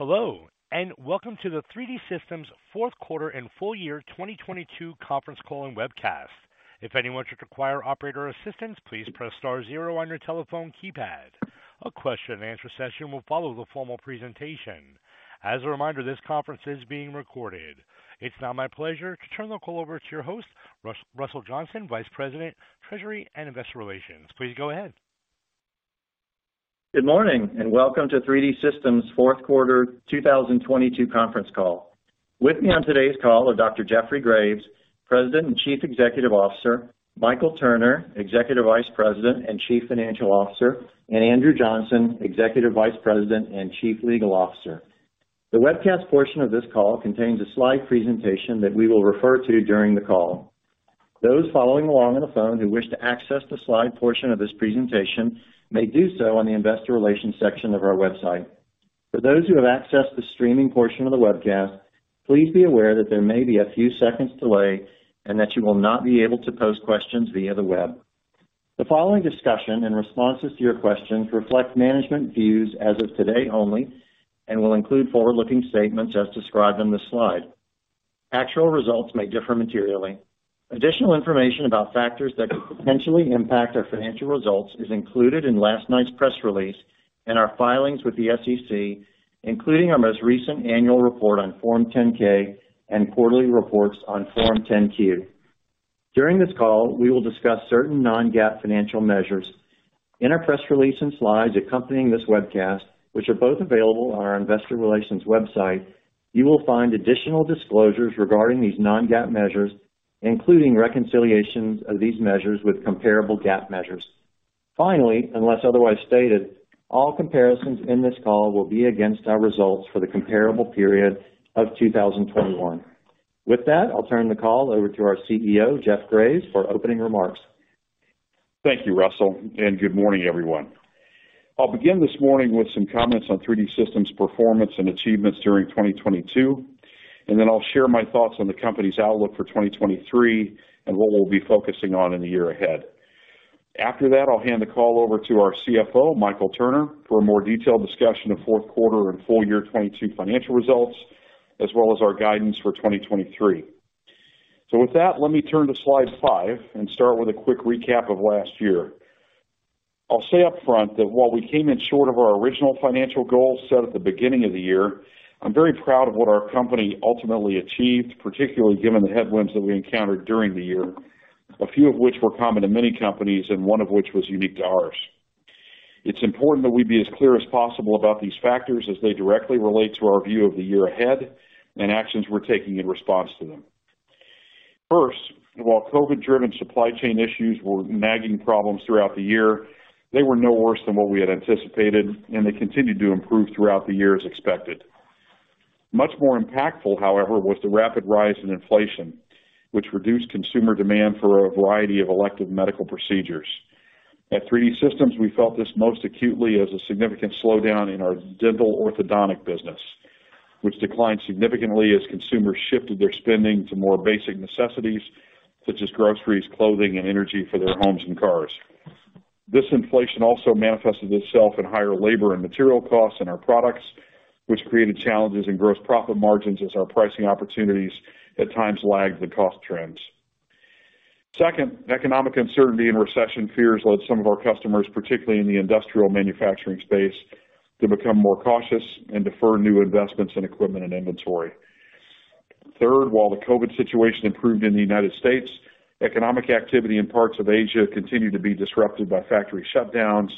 Hello, and welcome to the 3D Systems fourth quarter and full year 2022 conference call and webcast. If anyone should require operator assistance, please press star zero on your telephone keypad. A question-and-answer session will follow the formal presentation. As a reminder, this conference is being recorded. It's now my pleasure to turn the call over to your host, Russell Johnson, Vice President, Treasury and Investor Relations. Please go ahead. Good morning, welcome to 3D Systems fourth quarter 2022 conference call. With me on today's call are Dr. Jeffrey Graves, President and Chief Executive Officer, Michael Turner, Executive Vice President and Chief Financial Officer, and Andrew Johnson, Executive Vice President and Chief Legal Officer. The webcast portion of this call contains a slide presentation that we will refer to during the call. Those following along on the phone who wish to access the slide portion of this presentation may do so on the investor relations section of our website. For those who have accessed the streaming portion of the webcast, please be aware that there may be a few seconds delay and that you will not be able to pose questions via the web. The following discussion and responses to your questions reflect management views as of today only and will include forward-looking statements as described on the slide. Actual results may differ materially. Additional information about factors that could potentially impact our financial results is included in last night's press release and our filings with the SEC, including our most recent annual report on Form 10-K and quarterly reports on Form 10-Q. During this call, we will discuss certain non-GAAP financial measures. In our press release and slides accompanying this webcast, which are both available on our investor relations website, you will find additional disclosures regarding these non-GAAP measures, including reconciliations of these measures with comparable GAAP measures. Unless otherwise stated, all comparisons in this call will be against our results for the comparable period of 2021. With that, I'll turn the call over to our CEO, Jeff Graves for opening remarks. Thank you, Russell, and good morning, everyone. I'll begin this morning with some comments on 3D Systems performance and achievements during 2022, and then I'll share my thoughts on the company's outlook for 2023 and what we'll be focusing on in the year ahead. After that, I'll hand the call over to our CFO, Michael Turner, for a more detailed discussion of fourth quarter and full year 22 financial results, as well as our guidance for 2023. With that, let me turn to slide 5 and start with a quick recap of last year. I'll say upfront that while we came in short of our original financial goals set at the beginning of the year, I'm very proud of what our company ultimately achieved, particularly given the headwinds that we encountered during the year, a few of which were common to many companies and one of which was unique to ours. It's important that we be as clear as possible about these factors as they directly relate to our view of the year ahead and actions we're taking in response to them. First, while COVID-driven supply chain issues were nagging problems throughout the year, they were no worse than what we had anticipated, and they continued to improve throughout the year as expected. Much more impactful, however, was the rapid rise in inflation, which reduced consumer demand for a variety of elective medical procedures. At 3D Systems, we felt this most acutely as a significant slowdown in our dental orthodontic business, which declined significantly as consumers shifted their spending to more basic necessities such as groceries, clothing, and energy for their homes and cars. This inflation also manifested itself in higher labor and material costs in our products, which created challenges in gross profit margins as our pricing opportunities at times lagged the cost trends. Economic uncertainty and recession fears led some of our customers, particularly in the industrial manufacturing space, to become more cautious and defer new investments in equipment and inventory. While the COVID situation improved in the United States, economic activity in parts of Asia continued to be disrupted by factory shutdowns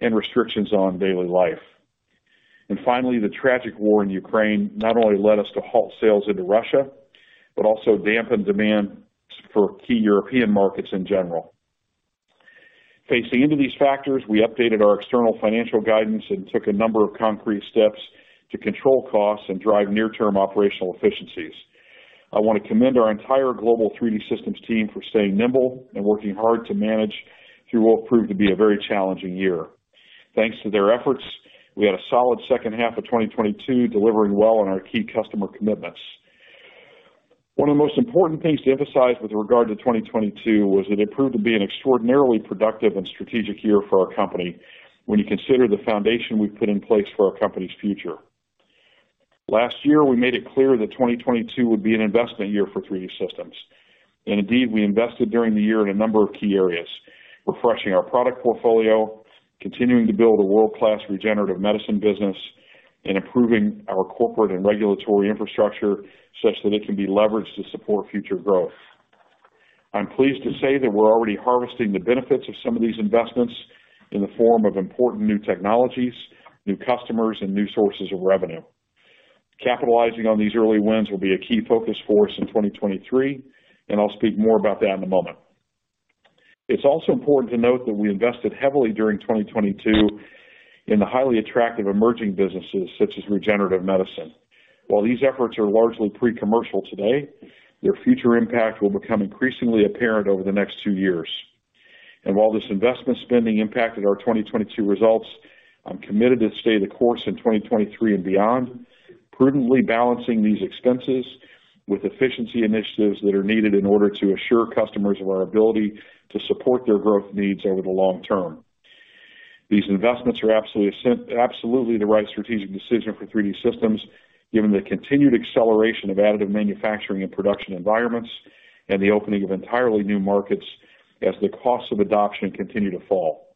and restrictions on daily life. Finally, the tragic war in Ukraine not only led us to halt sales into Russia, but also dampened demand for key European markets in general. Facing into these factors, we updated our external financial guidance and took a number of concrete steps to control costs and drive near-term operational efficiencies. I wanna commend our entire global 3D Systems team for staying nimble and working hard to manage through what proved to be a very challenging year. Thanks to their efforts, we had a solid second half of 2022, delivering well on our key customer commitments. One of the most important things to emphasize with regard to 2022 was that it proved to be an extraordinarily productive and strategic year for our company when you consider the foundation we've put in place for our company's future. Last year, we made it clear that 2022 would be an investment year for 3D Systems. Indeed, we invested during the year in a number of key areas: refreshing our product portfolio, continuing to build a world-class regenerative medicine business, and improving our corporate and regulatory infrastructure such that it can be leveraged to support future growth. I'm pleased to say that we're already harvesting the benefits of some of these investments in the form of important new technologies, new customers, and new sources of revenue. Capitalizing on these early wins will be a key focus for us in 2023, and I'll speak more about that in a moment. It's also important to note that we invested heavily during 2022 in the highly attractive emerging businesses such as regenerative medicine. While these efforts are largely pre-commercial today, their future impact will become increasingly apparent over the next two years. While this investment spending impacted our 2022 results, I'm committed to stay the course in 2023 and beyond, prudently balancing these expenses with efficiency initiatives that are needed in order to assure customers of our ability to support their growth needs over the long term. These investments are absolutely the right strategic decision for 3D Systems, given the continued acceleration of additive manufacturing in production environments and the opening of entirely new markets as the costs of adoption continue to fall.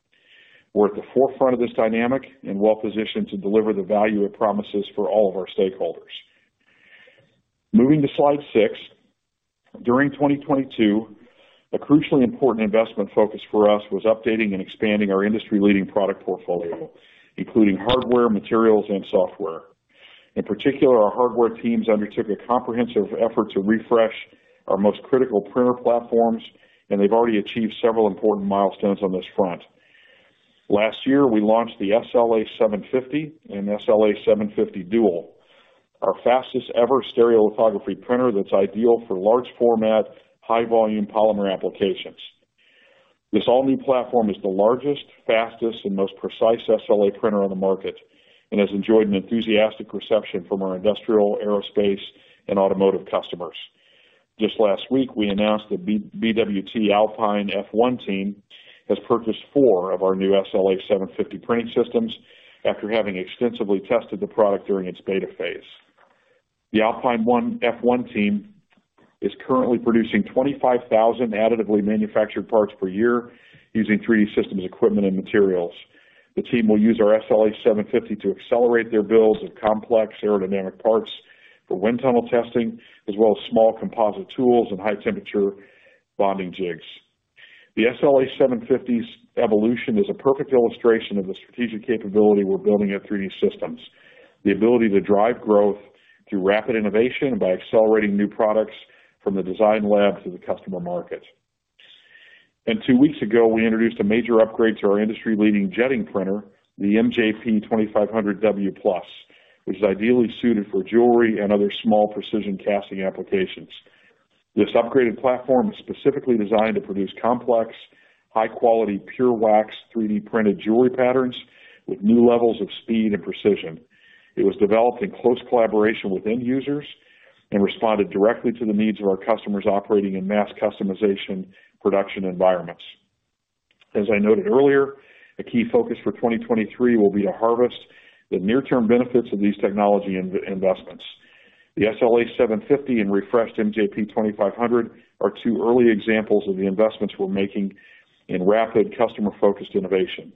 We're at the forefront of this dynamic and well-positioned to deliver the value it promises for all of our stakeholders. Moving to slide 6. During 2022, a crucially important investment focus for us was updating and expanding our industry-leading product portfolio, including hardware, materials, and software. In particular, our hardware teams undertook a comprehensive effort to refresh our most critical printer platforms, and they've already achieved several important milestones on this front. Last year, we launched the SLA 750 and SLA 750 Dual, our fastest ever stereolithography printer that's ideal for large format, high volume polymer applications. This all-new platform is the largest, fastest, and most precise SLA printer on the market and has enjoyed an enthusiastic reception from our industrial, aerospace, and automotive customers. Just last week, we announced that BWT Alpine F1 Team has purchased four of our new SLA 750 printing systems after having extensively tested the product during its beta phase. The Alpine F1 Team is currently producing 25,000 additively manufactured parts per year using 3D Systems equipment and materials. The team will use our SLA 750 to accelerate their builds of complex aerodynamic parts for wind tunnel testing, as well as small composite tools and high temperature bonding jigs. The SLA 750's evolution is a perfect illustration of the strategic capability we're building at 3D Systems. The ability to drive growth through rapid innovation by accelerating new products from the design lab to the customer market. Two weeks ago, we introduced a major upgrade to our industry-leading jetting printer, the MJP 2500W+, which is ideally suited for jewelry and other small precision casting applications. This upgraded platform is specifically designed to produce complex, high-quality, pure wax, 3D printed jewelry patterns with new levels of speed and precision. It was developed in close collaboration with end users and responded directly to the needs of our customers operating in mass customization production environments. As I noted earlier, a key focus for 2023 will be to harvest the near term benefits of these technology investments. The SLA 750 and refreshed MJP 2500 are two early examples of the investments we're making in rapid customer-focused innovation.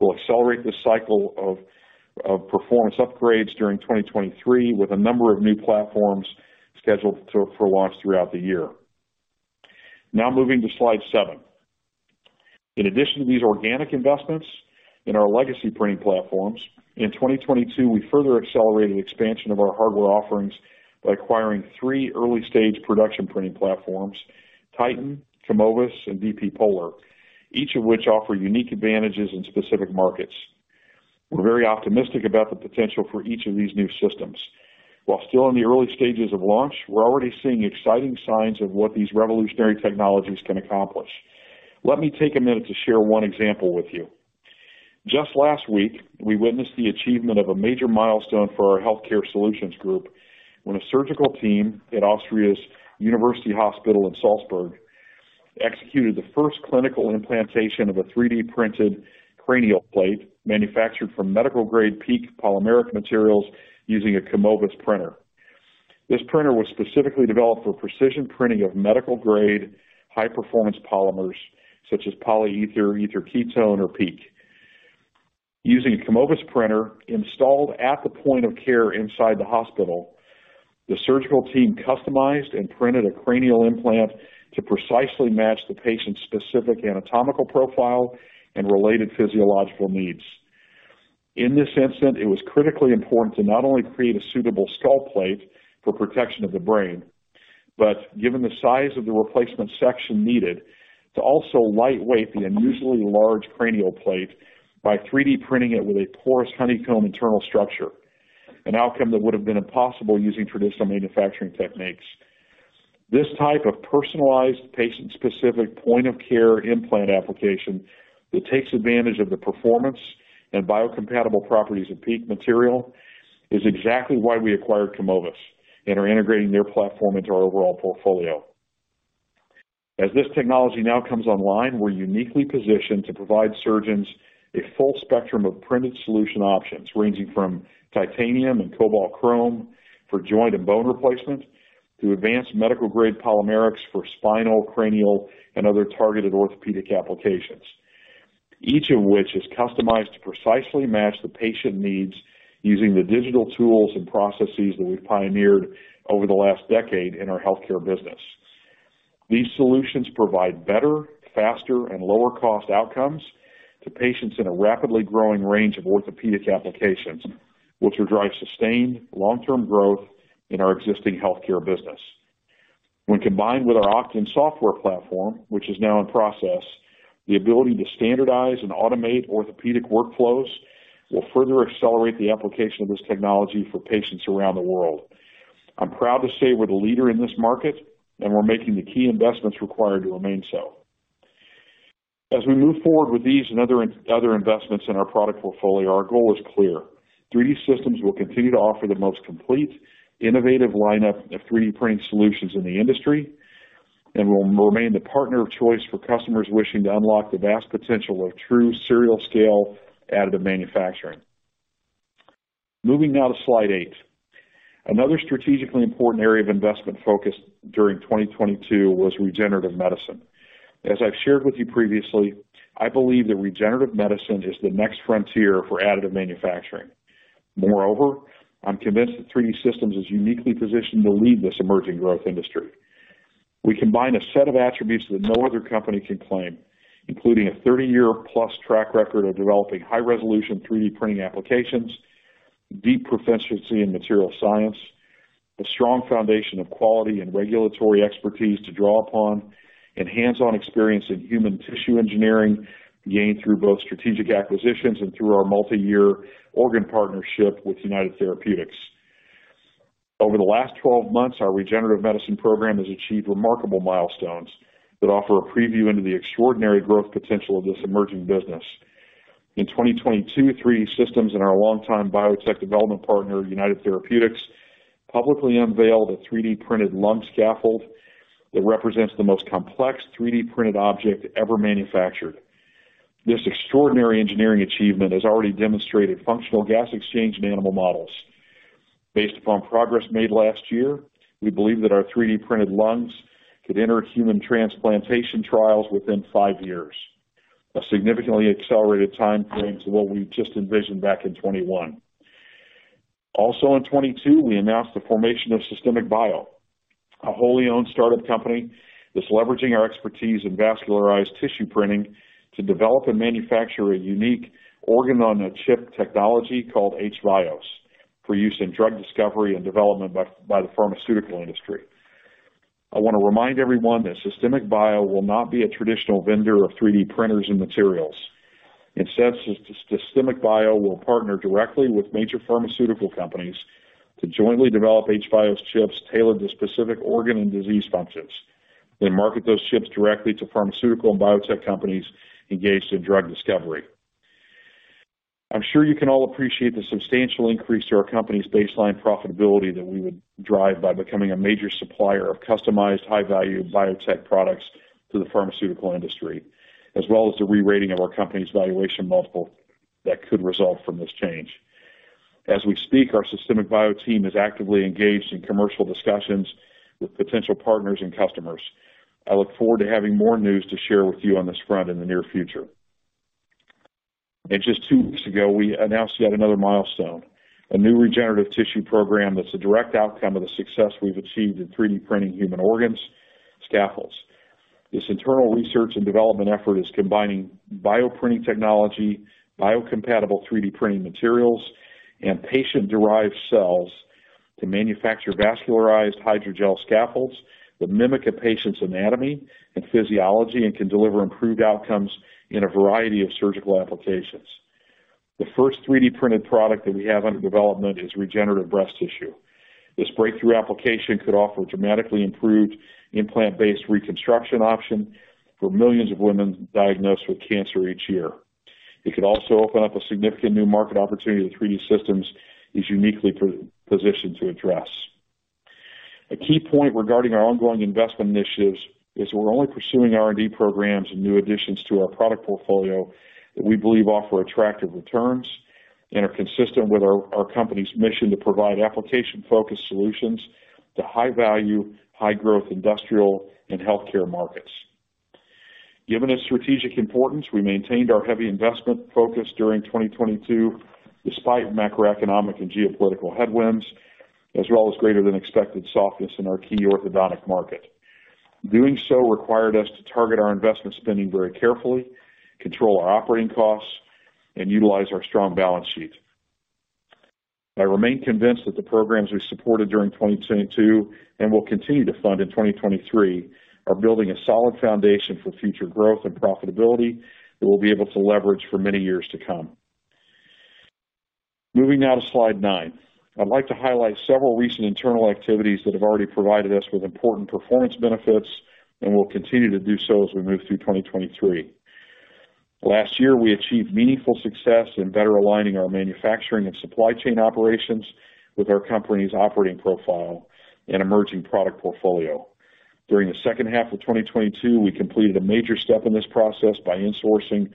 We'll accelerate this cycle of performance upgrades during 2023 with a number of new platforms scheduled for launch throughout the year. Now moving to slide seven. In addition to these organic investments in our legacy printing platforms, in 2022, we further accelerated expansion of our hardware offerings by acquiring three early-stage production printing platforms, Titan, Kumovis, and dp polar, each of which offer unique advantages in specific markets. We're very optimistic about the potential for each of these new systems. While still in the early stages of launch, we're already seeing exciting signs of what these revolutionary technologies can accomplish. Let me take a minute to share one example with you. Just last week, we witnessed the achievement of a major milestone for our healthcare solutions group when a surgical team at Austria's University Hospital in Salzburg executed the first clinical implantation of a 3D-printed cranial plate manufactured from medical-grade PEEK polymeric materials using a Kumovis printer. This printer was specifically developed for precision printing of medical-grade high-performance polymers such as polyether ether ketone, or PEEK. Using a Kumovis printer installed at the point of care inside the hospital, the surgical team customized and printed a cranial implant to precisely match the patient's specific anatomical profile and related physiological needs. In this incident, it was critically important to not only create a suitable skull plate for protection of the brain, but given the size of the replacement section needed, to also lightweight the unusually large cranial plate by 3D printing it with a porous honeycomb internal structure, an outcome that would have been impossible using traditional manufacturing techniques. This type of personalized, patient-specific, point-of-care implant application that takes advantage of the performance and biocompatible properties of PEEK material is exactly why we acquired Kumovis and are integrating their platform into our overall portfolio. As this technology now comes online, we're uniquely positioned to provide surgeons a full spectrum of printed solution options, ranging from titanium and cobalt chrome for joint and bone replacement to advanced medical-grade polymerics for spinal, cranial, and other targeted orthopedic applications. Each of which is customized to precisely match the patient needs using the digital tools and processes that we've pioneered over the last decade in our healthcare business. These solutions provide better, faster, and lower cost outcomes to patients in a rapidly growing range of orthopedic applications, which will drive sustained long-term growth in our existing healthcare business. When combined with our Oqton software platform, which is now in process, the ability to standardize and automate orthopedic workflows will further accelerate the application of this technology for patients around the world. I'm proud to say we're the leader in this market, and we're making the key investments required to remain so. As we move forward with these and other investments in our product portfolio, our goal is clear: 3D Systems will continue to offer the most complete, innovative lineup of 3D printing solutions in the industry. Will remain the partner of choice for customers wishing to unlock the vast potential of true serial scale additive manufacturing. Moving now to slide 8. Another strategically important area of investment focus during 2022 was regenerative medicine. As I've shared with you previously, I believe that regenerative medicine is the next frontier for additive manufacturing. Moreover, I'm convinced that 3D Systems is uniquely positioned to lead this emerging growth industry. We combine a set of attributes that no other company can claim, including a 30-year-plus track record of developing high-resolution 3D printing applications, deep proficiency in material science, a strong foundation of quality and regulatory expertise to draw upon, and hands-on experience in human tissue engineering gained through both strategic acquisitions and through our multi-year organ partnership with United Therapeutics. Over the last 12 months, our regenerative medicine program has achieved remarkable milestones that offer a preview into the extraordinary growth potential of this emerging business. In 2022, 3D Systems and our longtime biotech development partner, United Therapeutics, publicly unveiled a 3D-printed lung scaffold that represents the most complex 3D-printed object ever manufactured. This extraordinary engineering achievement has already demonstrated functional gas exchange in animal models. Based upon progress made last year, we believe that our 3D-printed lungs could enter human transplantation trials within five years, a significantly accelerated timeframe to what we just envisioned back in 2021. Also in 2022, we announced the formation of Systemic Bio, a wholly-owned startup company that's leveraging our expertise in vascularized tissue printing to develop and manufacture a unique organ-on-a-chip technology called h-VIOS for use in drug discovery and development by the pharmaceutical industry. I want to remind everyone that Systemic Bio will not be a traditional vendor of 3D printers and materials. Systemic Bio will partner directly with major pharmaceutical companies to jointly develop h-VIOS chips tailored to specific organ and disease functions, then market those chips directly to pharmaceutical and biotech companies engaged in drug discovery. I'm sure you can all appreciate the substantial increase to our company's baseline profitability that we would drive by becoming a major supplier of customized, high-value biotech products to the pharmaceutical industry, as well as the re-rating of our company's valuation multiple that could result from this change. As we speak, our Systemic Bio team is actively engaged in commercial discussions with potential partners and customers. I look forward to having more news to share with you on this front in the near future. Just two weeks ago, we announced yet another milestone, a new regenerative tissue program that's a direct outcome of the success we've achieved in 3D printing human organs scaffolds. This internal research and development effort is combining bioprinting technology, biocompatible 3D printing materials, and patient-derived cells to manufacture vascularized hydrogel scaffolds that mimic a patient's anatomy and physiology and can deliver improved outcomes in a variety of surgical applications. The first 3D-printed product that we have under development is regenerative breast tissue. This breakthrough application could offer a dramatically improved implant-based reconstruction option for millions of women diagnosed with cancer each year. It could also open up a significant new market opportunity that 3D Systems is uniquely positioned to address. A key point regarding our ongoing investment initiatives is we're only pursuing R&D programs and new additions to our product portfolio that we believe offer attractive returns and are consistent with our company's mission to provide application-focused solutions to high-value, high-growth industrial and healthcare markets. Given its strategic importance, we maintained our heavy investment focus during 2022 despite macroeconomic and geopolitical headwinds, as well as greater than expected softness in our key orthodontic market. Doing so required us to target our investment spending very carefully, control our operating costs, and utilize our strong balance sheet. I remain convinced that the programs we supported during 2022, and will continue to fund in 2023, are building a solid foundation for future growth and profitability that we'll be able to leverage for many years to come. Moving now to slide 9. I'd like to highlight several recent internal activities that have already provided us with important performance benefits and will continue to do so as we move through 2023. Last year, we achieved meaningful success in better aligning our manufacturing and supply chain operations with our company's operating profile and emerging product portfolio. During the second half of 2022, we completed a major step in this process by insourcing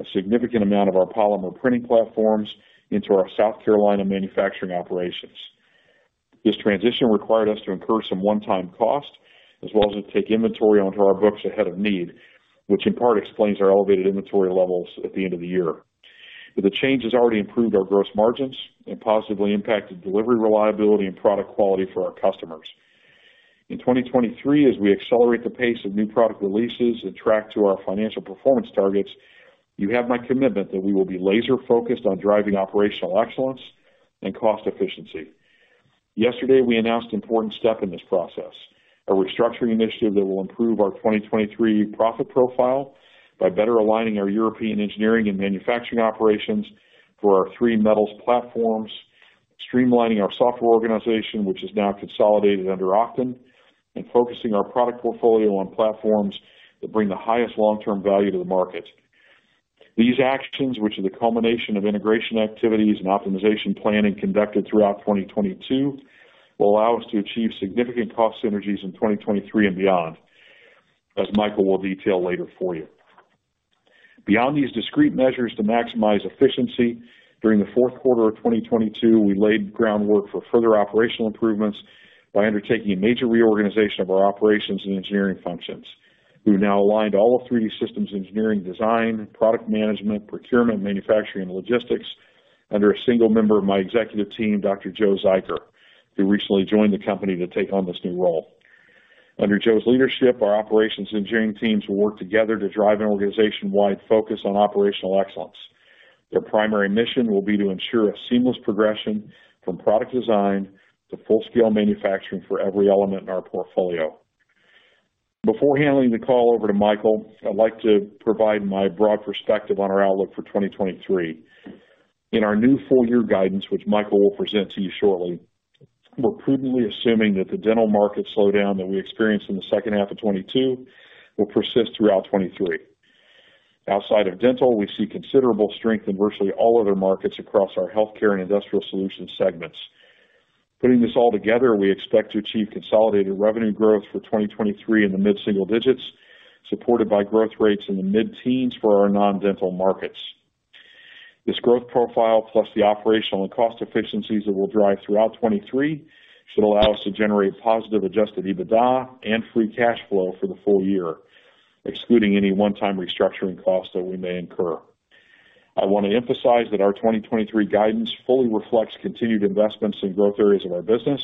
a significant amount of our polymer printing platforms into our South Carolina manufacturing operations. This transition required us to incur some one-time costs, as well as take inventory onto our books ahead of need, which in part explains our elevated inventory levels at the end of the year. The change has already improved our gross margins and positively impacted delivery reliability and product quality for our customers. In 2023, as we accelerate the pace of new product releases and track to our financial performance targets, you have my commitment that we will be laser-focused on driving operational excellence and cost efficiency. Yesterday, we announced an important step in this process, a restructuring initiative that will improve our 2023 profit profile by better aligning our European engineering and manufacturing operations for our three metals platforms, streamlining our software organization, which is now consolidated under Oqton, and focusing our product portfolio on platforms that bring the highest long-term value to the market. These actions, which are the culmination of integration activities and optimization planning conducted throughout 2022, will allow us to achieve significant cost synergies in 2023 and beyond, as Michael will detail later for you. Beyond these discrete measures to maximize efficiency, during the fourth quarter of 2022, we laid groundwork for further operational improvements by undertaking a major reorganization of our operations and engineering functions. We've now aligned all of 3D Systems engineering design, product management, procurement, manufacturing, and logistics under a single member of my executive team, Dr. Joe Zuiker, who recently joined the company to take on this new role. Under Joe's leadership, our operations engineering teams will work together to drive an organization-wide focus on operational excellence. Their primary mission will be to ensure a seamless progression from product design to full scale manufacturing for every element in our portfolio. Before handing the call over to Michael, I'd like to provide my broad perspective on our outlook for 2023. In our new full year guidance, which Michael will present to you shortly, we're prudently assuming that the dental market slowdown that we experienced in the second half of 22 will persist throughout 23. Outside of dental, we see considerable strength in virtually all other markets across our healthcare and industrial solutions segments. Putting this all together, we expect to achieve consolidated revenue growth for 2023 in the mid-single digits, supported by growth rates in the mid-teens for our non-dental markets. This growth profile, plus the operational and cost efficiencies that we'll drive throughout 2023, should allow us to generate positive adjusted EBITDA and free cash flow for the full year, excluding any one-time restructuring costs that we may incur. I want to emphasize that our 2023 guidance fully reflects continued investments in growth areas of our business,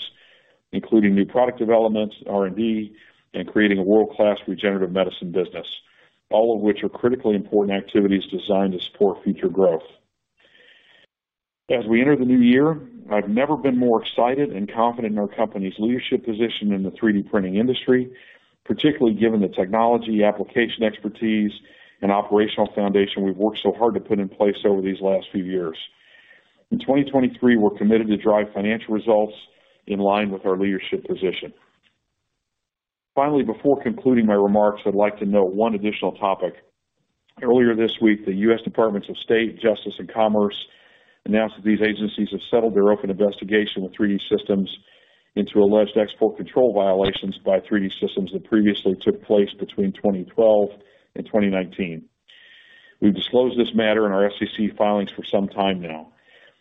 including new product development, R&D, and creating a world-class regenerative medicine business, all of which are critically important activities designed to support future growth. As we enter the new year, I've never been more excited and confident in our company's leadership position in the 3D printing industry, particularly given the technology, application expertise, and operational foundation we've worked so hard to put in place over these last few years. In 2023, we're committed to drive financial results in line with our leadership position. Finally, before concluding my remarks, I'd like to note one additional topic. Earlier this week, the US Departments of State, Justice, and Commerce announced that these agencies have settled their open investigation with 3D Systems into alleged export control violations by 3D Systems that previously took place between 2012 and 2019. We've disclosed this matter in our SEC filings for some time now.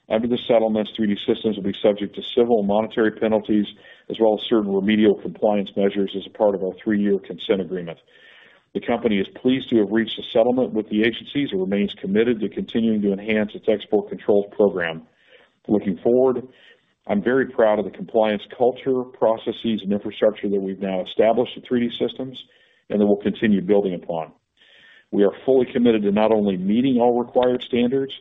Under the settlements, 3D Systems will be subject to civil and monetary penalties, as well as certain remedial compliance measures as a part of our 3-year consent agreement. The company is pleased to have reached a settlement with the agencies. It remains committed to continuing to enhance its export control program. Looking forward, I'm very proud of the compliance culture, processes, and infrastructure that we've now established at 3D Systems and that we'll continue building upon. We are fully committed to not only meeting all required standards,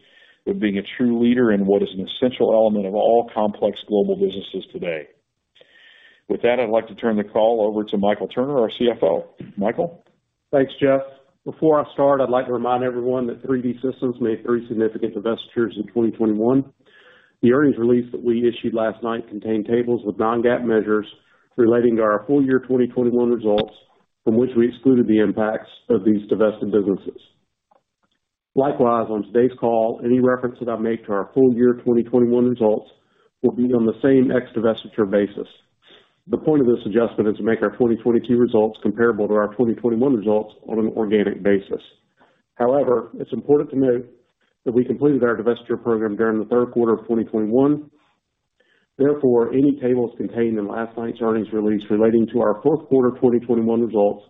but being a true leader in what is an essential element of all complex global businesses today. With that, I'd like to turn the call over to Michael Turner, our CFO. Michael? Thanks, Jeff. Before I start, I'd like to remind everyone that 3D Systems made three significant divestitures in 2021. The earnings release that we issued last night contained tables of non-GAAP measures relating to our full year 2021 results, from which we excluded the impacts of these divested businesses. On today's call, any reference that I make to our full year 2021 results will be on the same ex divestiture basis. The point of this adjustment is to make our 2022 results comparable to our 2021 results on an organic basis. It's important to note that we completed our divestiture program during the third quarter of 2021. Therefore, any tables contained in last night's earnings release relating to our fourth quarter 2021 results,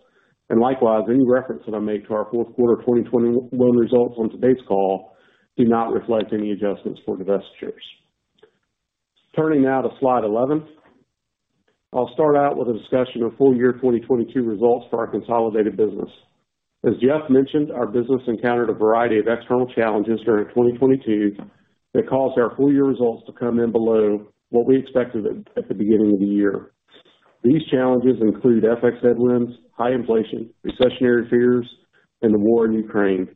and likewise, any reference that I make to our fourth quarter of 2021 results on today's call do not reflect any adjustments for divestitures. Turning now to slide 11, I'll start out with a discussion of full year 2022 results for our consolidated business. As Jeff mentioned, our business encountered a variety of external challenges during 2022 that caused our full year results to come in below what we expected at the beginning of the year. These challenges include FX headwinds, high inflation, recessionary fears, and the war in Ukraine.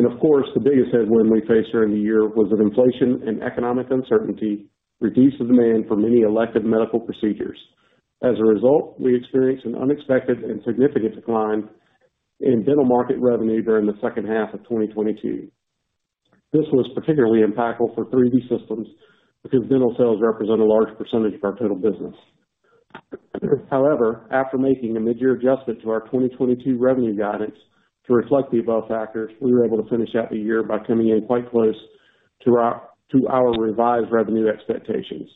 Of course, the biggest headwind we faced during the year was that inflation and economic uncertainty reduced the demand for many elective medical procedures. As a result, we experienced an unexpected and significant decline in dental market revenue during the second half of 2022. This was particularly impactful for 3D Systems because dental sales represent a large percentage of our total business. After making a midyear adjustment to our 2022 revenue guidance to reflect the above factors, we were able to finish out the year by coming in quite close to our revised revenue expectations.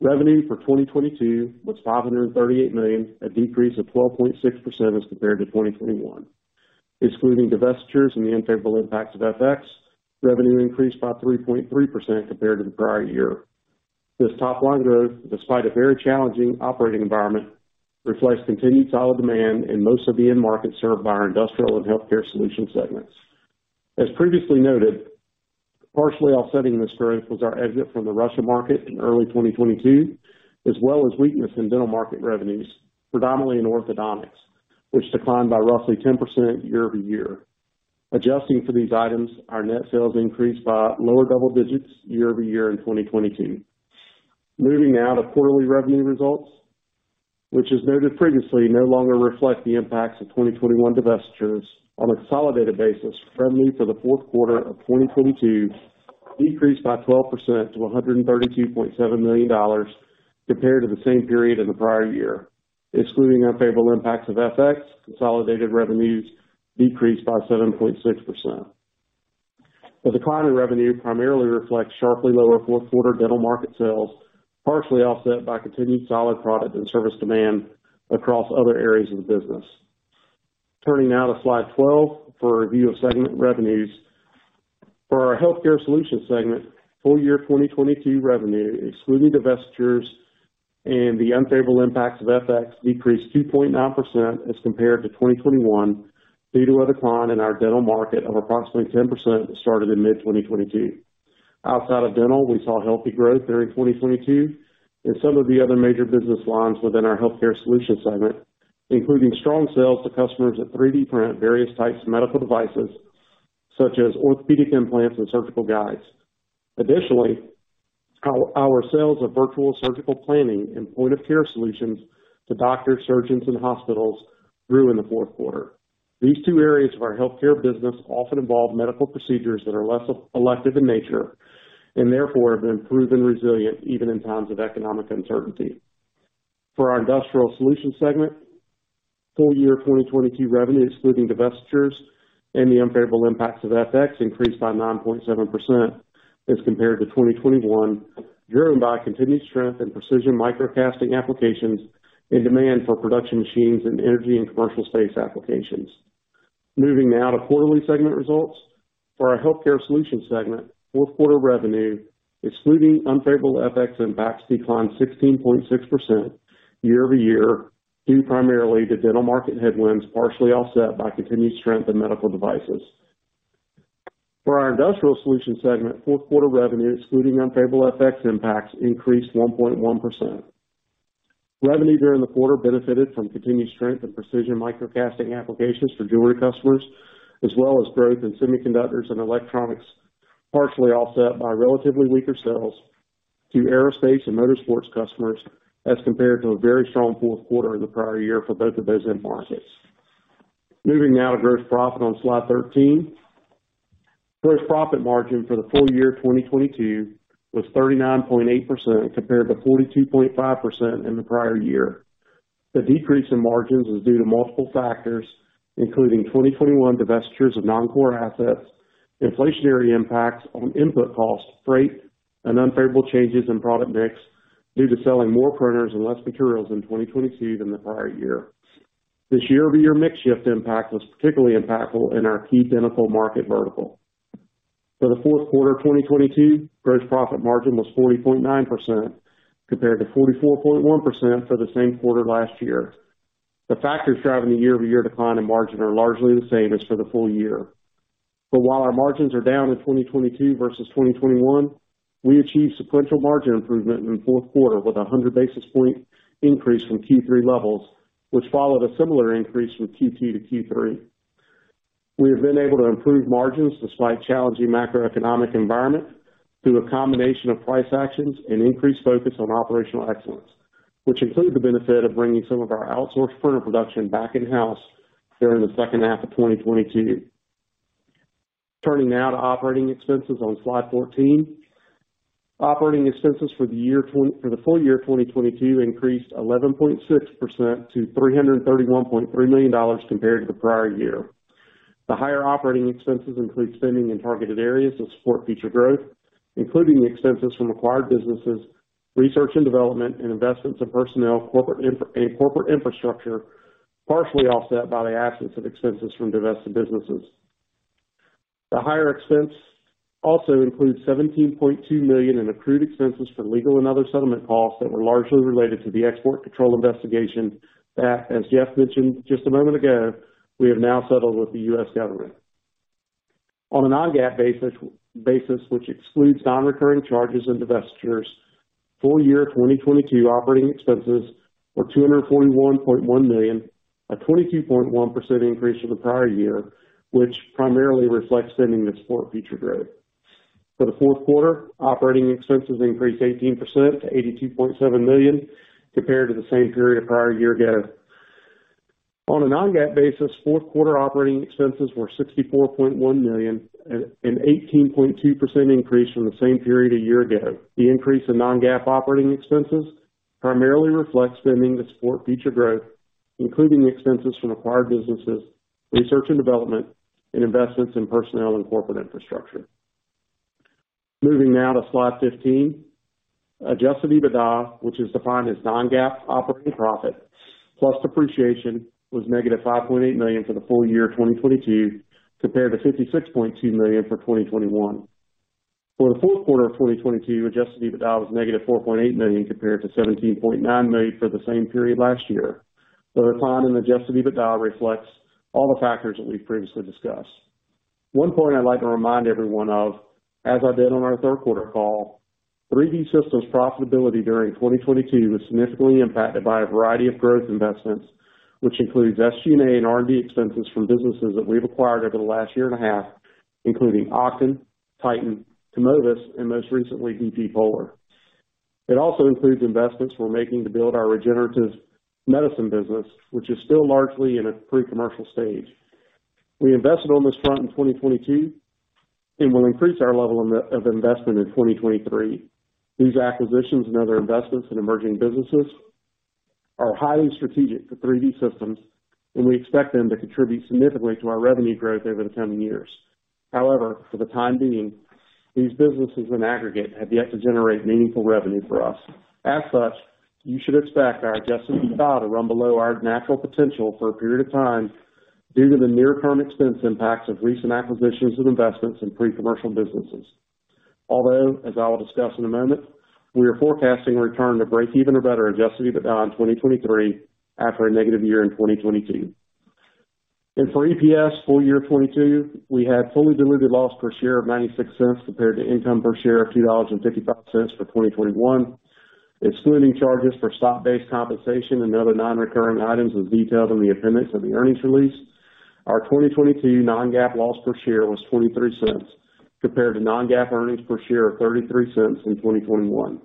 Revenue for 2022 was $538 million, a decrease of 12.6% as compared to 2021. Excluding divestitures and the unfavorable impact of FX, revenue increased by 3.3% compared to the prior year. This top line growth, despite a very challenging operating environment, reflects continued solid demand in most of the end markets served by our industrial and healthcare solution segments. As previously noted, partially offsetting this growth was our exit from the Russia market in early 2022, as well as weakness in dental market revenues, predominantly in orthodontics, which declined by roughly 10% year-over-year. Adjusting for these items, our net sales increased by lower double digits year-over-year in 2022. Moving now to quarterly revenue results. Which, as noted previously, no longer reflect the impacts of 2021 divestitures on a consolidated basis, revenue for the fourth quarter of 2022 decreased by 12% to $132.7 million compared to the same period in the prior year. Excluding unfavorable impacts of FX, consolidated revenues decreased by 7.6%. The decline in revenue primarily reflects sharply lower fourth quarter dental market sales, partially offset by continued solid product and service demand across other areas of the business. Turning now to slide 12 for a review of segment revenues. For our Healthcare Solutions segment, full year 2022 revenue, excluding divestitures and the unfavorable impacts of FX, decreased 2.9% as compared to 2021 due to a decline in our dental market of approximately 10% that started in mid-2022. Outside of dental, we saw healthy growth during 2022 in some of the other major business lines within our Healthcare Solutions segment, including strong sales to customers that 3D print various types of medical devices such as orthopedic implants and surgical guides. Additionally, our sales of virtual surgical planning and point of care solutions to doctors, surgeons, and hospitals grew in the fourth quarter. These two areas of our healthcare business often involve medical procedures that are less elective in nature, and therefore have been proven resilient even in times of economic uncertainty. For our industrial solutions segment, full year 2022 revenue, excluding divestitures and the unfavorable impacts of FX, increased by 9.7% as compared to 2021, driven by continued strength in precision micro casting applications and demand for production machines in energy and commercial space applications. Moving now to quarterly segment results. For our healthcare solutions segment, fourth quarter revenue, excluding unfavorable FX impacts, declined 16.6% year-over-year, due primarily to dental market headwinds, partially offset by continued strength in medical devices. For our industrial solutions segment, fourth quarter revenue, excluding unfavorable FX impacts, increased 1.1%. Revenue during the quarter benefited from continued strength in precision micro casting applications for jewelry customers, as well as growth in semiconductors and electronics, partially offset by relatively weaker sales to aerospace and motorsports customers as compared to a very strong fourth quarter in the prior year for both of those end markets. Moving now to gross profit on slide 13. Gross profit margin for the full year 2022 was 39.8% compared to 42.5% in the prior year. The decrease in margins was due to multiple factors, including 2021 divestitures of non-core assets, inflationary impacts on input costs, freight, and unfavorable changes in product mix due to selling more printers and less materials in 2022 than the prior year. This year-over-year mix shift impact was particularly impactful in our key dental market vertical. For the fourth quarter of 2022, gross profit margin was 40.9% compared to 44.1% for the same quarter last year. The factors driving the year-over-year decline in margin are largely the same as for the full year. While our margins are down in 2022 versus 2021, we achieved sequential margin improvement in the fourth quarter with a 100 basis point increase from Q3 levels, which followed a similar increase from Q2 to Q3. We have been able to improve margins despite challenging macroeconomic environment through a combination of price actions and increased focus on operational excellence, which include the benefit of bringing some of our outsourced printer production back in-house during the second half of 2022. Turning now to operating expenses on slide 14. Operating expenses for the full year 2022 increased 11.6% to $331.3 million compared to the prior year. The higher operating expenses include spending in targeted areas that support future growth, including the expenses from acquired businesses, research and development, and investments in personnel, corporate infrastructure, partially offset by the absence of expenses from divested businesses. The higher expense also includes $17.2 million in accrued expenses for legal and other settlement costs that were largely related to the export control investigation that, as Jeff mentioned just a moment ago, we have now settled with the U.S. government. On a non-GAAP basis, which excludes non-recurring charges and divestitures, full year 2022 operating expenses were $241.1 million, a 22.1% increase from the prior year, which primarily reflects spending that support future growth. For the fourth quarter, operating expenses increased 18% to $82.7 million compared to the same period prior year ago. On a non-GAAP basis, fourth quarter operating expenses were $64.1 million, an 18.2% increase from the same period a year ago. The increase in non-GAAP operating expenses primarily reflects spending to support future growth, including the expenses from acquired businesses, R&D, and investments in personnel and corporate infrastructure. Moving now to slide 15. Adjusted EBITDA, which is defined as non-GAAP operating profit plus depreciation, was negative $5.8 million for the full year 2022, compared to $56.2 million for 2021. For the fourth quarter of 2022, adjusted EBITDA was negative $4.8 million compared to $17.9 million for the same period last year. The decline in adjusted EBITDA reflects all the factors that we've previously discussed. One point I'd like to remind everyone of, as I did on our third quarter call, 3D Systems profitability during 2022 was significantly impacted by a variety of growth investments, which includes SG&A and R&D expenses from businesses that we've acquired over the last year and a half. Including Oqton, Titan, Kumovis, and most recently, dp polar. It also includes investments we're making to build our regenerative medicine business, which is still largely in a pre-commercial stage. We invested on this front in 2022 and will increase our level of investment in 2023. These acquisitions and other investments in emerging businesses are highly strategic for 3D Systems, and we expect them to contribute significantly to our revenue growth over the coming years. However, for the time being, these businesses in aggregate have yet to generate meaningful revenue for us. As such, you should expect our adjusted EBITDA to run below our natural potential for a period of time due to the near-term expense impacts of recent acquisitions of investments in pre-commercial businesses. Although, as I will discuss in a moment, we are forecasting a return to breakeven or better adjusted EBITDA in 2023 after a negative year in 2022. For EPS full year 2022, we had fully diluted loss per share of $0.96 compared to income per share of $2.55 for 2021, excluding charges for stock-based compensation and other non-recurring items, as detailed in the appendix of the earnings release. Our 2022 non-GAAP loss per share was $0.23 compared to non-GAAP earnings per share of $0.33 in 2021.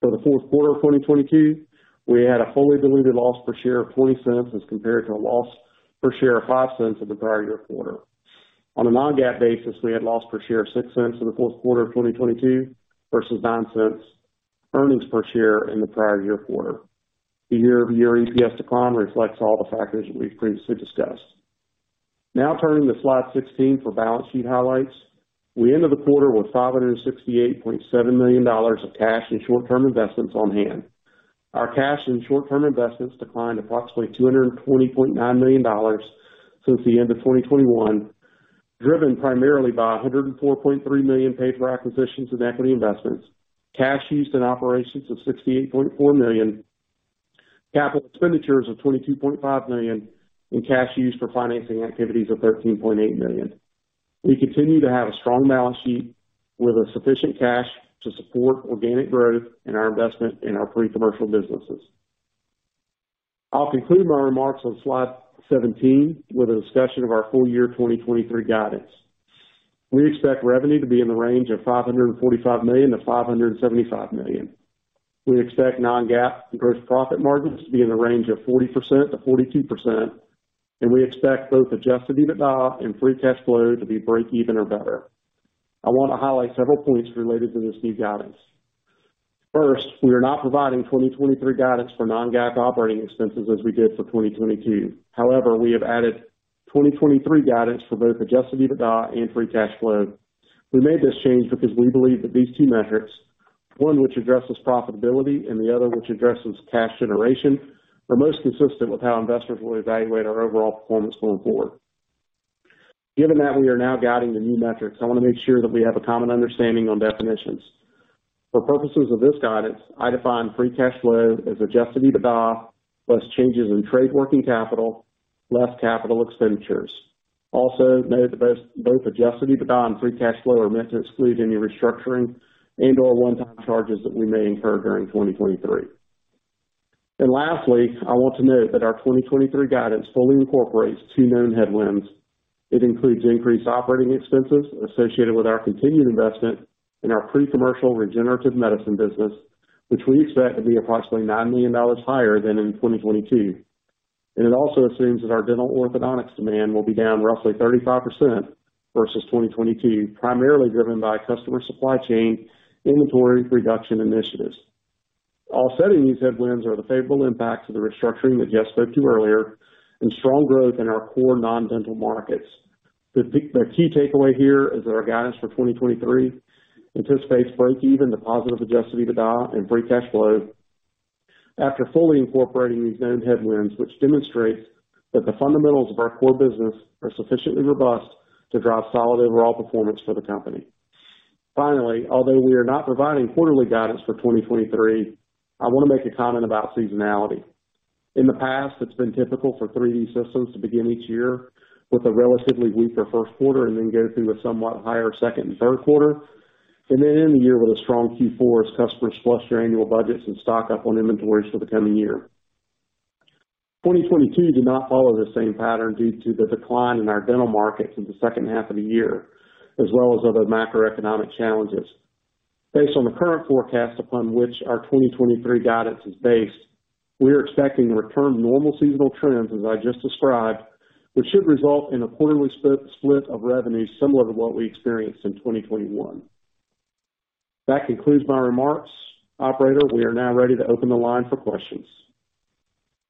For the fourth quarter of 2022, we had a fully diluted loss per share of $0.20 as compared to a loss per share of $0.05 in the prior year quarter. On a non-GAAP basis, we had loss per share of $0.06 in the fourth quarter of 2022 versus $0.09 earnings per share in the prior year quarter. The year-over-year EPS decline reflects all the factors that we've previously discussed. Now turning to slide 16 for balance sheet highlights. We ended the quarter with $568.7 million of cash and short-term investments on hand. Our cash and short-term investments declined approximately $220.9 million since the end of 2021, driven primarily by $104.3 million paid for acquisitions and equity investments, cash used in operations of $68.4 million, capital expenditures of $22.5 million, and cash used for financing activities of $13.8 million. We continue to have a strong balance sheet with sufficient cash to support organic growth in our investment in our pre-commercial businesses. I'll conclude my remarks on slide 17 with a discussion of our full year 2023 guidance. We expect revenue to be in the range of $545 million-$575 million. We expect non-GAAP gross profit margins to be in the range of 40%-42%, and we expect both adjusted EBITDA and free cash flow to be breakeven or better. I want to highlight several points related to this new guidance. First, we are not providing 2023 guidance for non-GAAP operating expenses as we did for 2022. However, we have added 2023 guidance for both adjusted EBITDA and free cash flow. We made this change because we believe that these two metrics, one which addresses profitability and the other which addresses cash generation, are most consistent with how investors will evaluate our overall performance going forward. Given that we are now guiding the new metrics, I want to make sure that we have a common understanding on definitions. For purposes of this guidance, I define free cash flow as adjusted EBITDA plus changes in trade working capital, less capital expenditures. Also note that both adjusted EBITDA and free cash flow are meant to exclude any restructuring and/or one-time charges that we may incur during 2023. Lastly, I want to note that our 2023 guidance fully incorporates two known headwinds. It includes increased operating expenses associated with our continued investment in our pre-commercial regenerative medicine business, which we expect to be approximately $9 million higher than in 2022. It also assumes that our dental orthodontics demand will be down roughly 35% versus 2022, primarily driven by customer supply chain inventory reduction initiatives. Offsetting these headwinds are the favorable impacts of the restructuring that Jess spoke to earlier and strong growth in our core non-dental markets. The key takeaway here is that our guidance for 2023 anticipates breakeven to positive adjusted EBITDA and free cash flow after fully incorporating these known headwinds, which demonstrates that the fundamentals of our core business are sufficiently robust to drive solid overall performance for the company. Although we are not providing quarterly guidance for 2023, I want to make a comment about seasonality. In the past, it's been typical for 3D Systems to begin each year with a relatively weaker first quarter and then go through a somewhat higher second and third quarter, and then end the year with a strong Q4 as customers flush their annual budgets and stock up on inventories for the coming year. 2022 did not follow the same pattern due to the decline in our dental markets in the second half of the year, as well as other macroeconomic challenges. Based on the current forecast upon which our 2023 guidance is based, we are expecting to return to normal seasonal trends, as I just described, which should result in a quarterly split of revenue similar to what we experienced in 2021. That concludes my remarks. Operator, we are now ready to open the line for questions.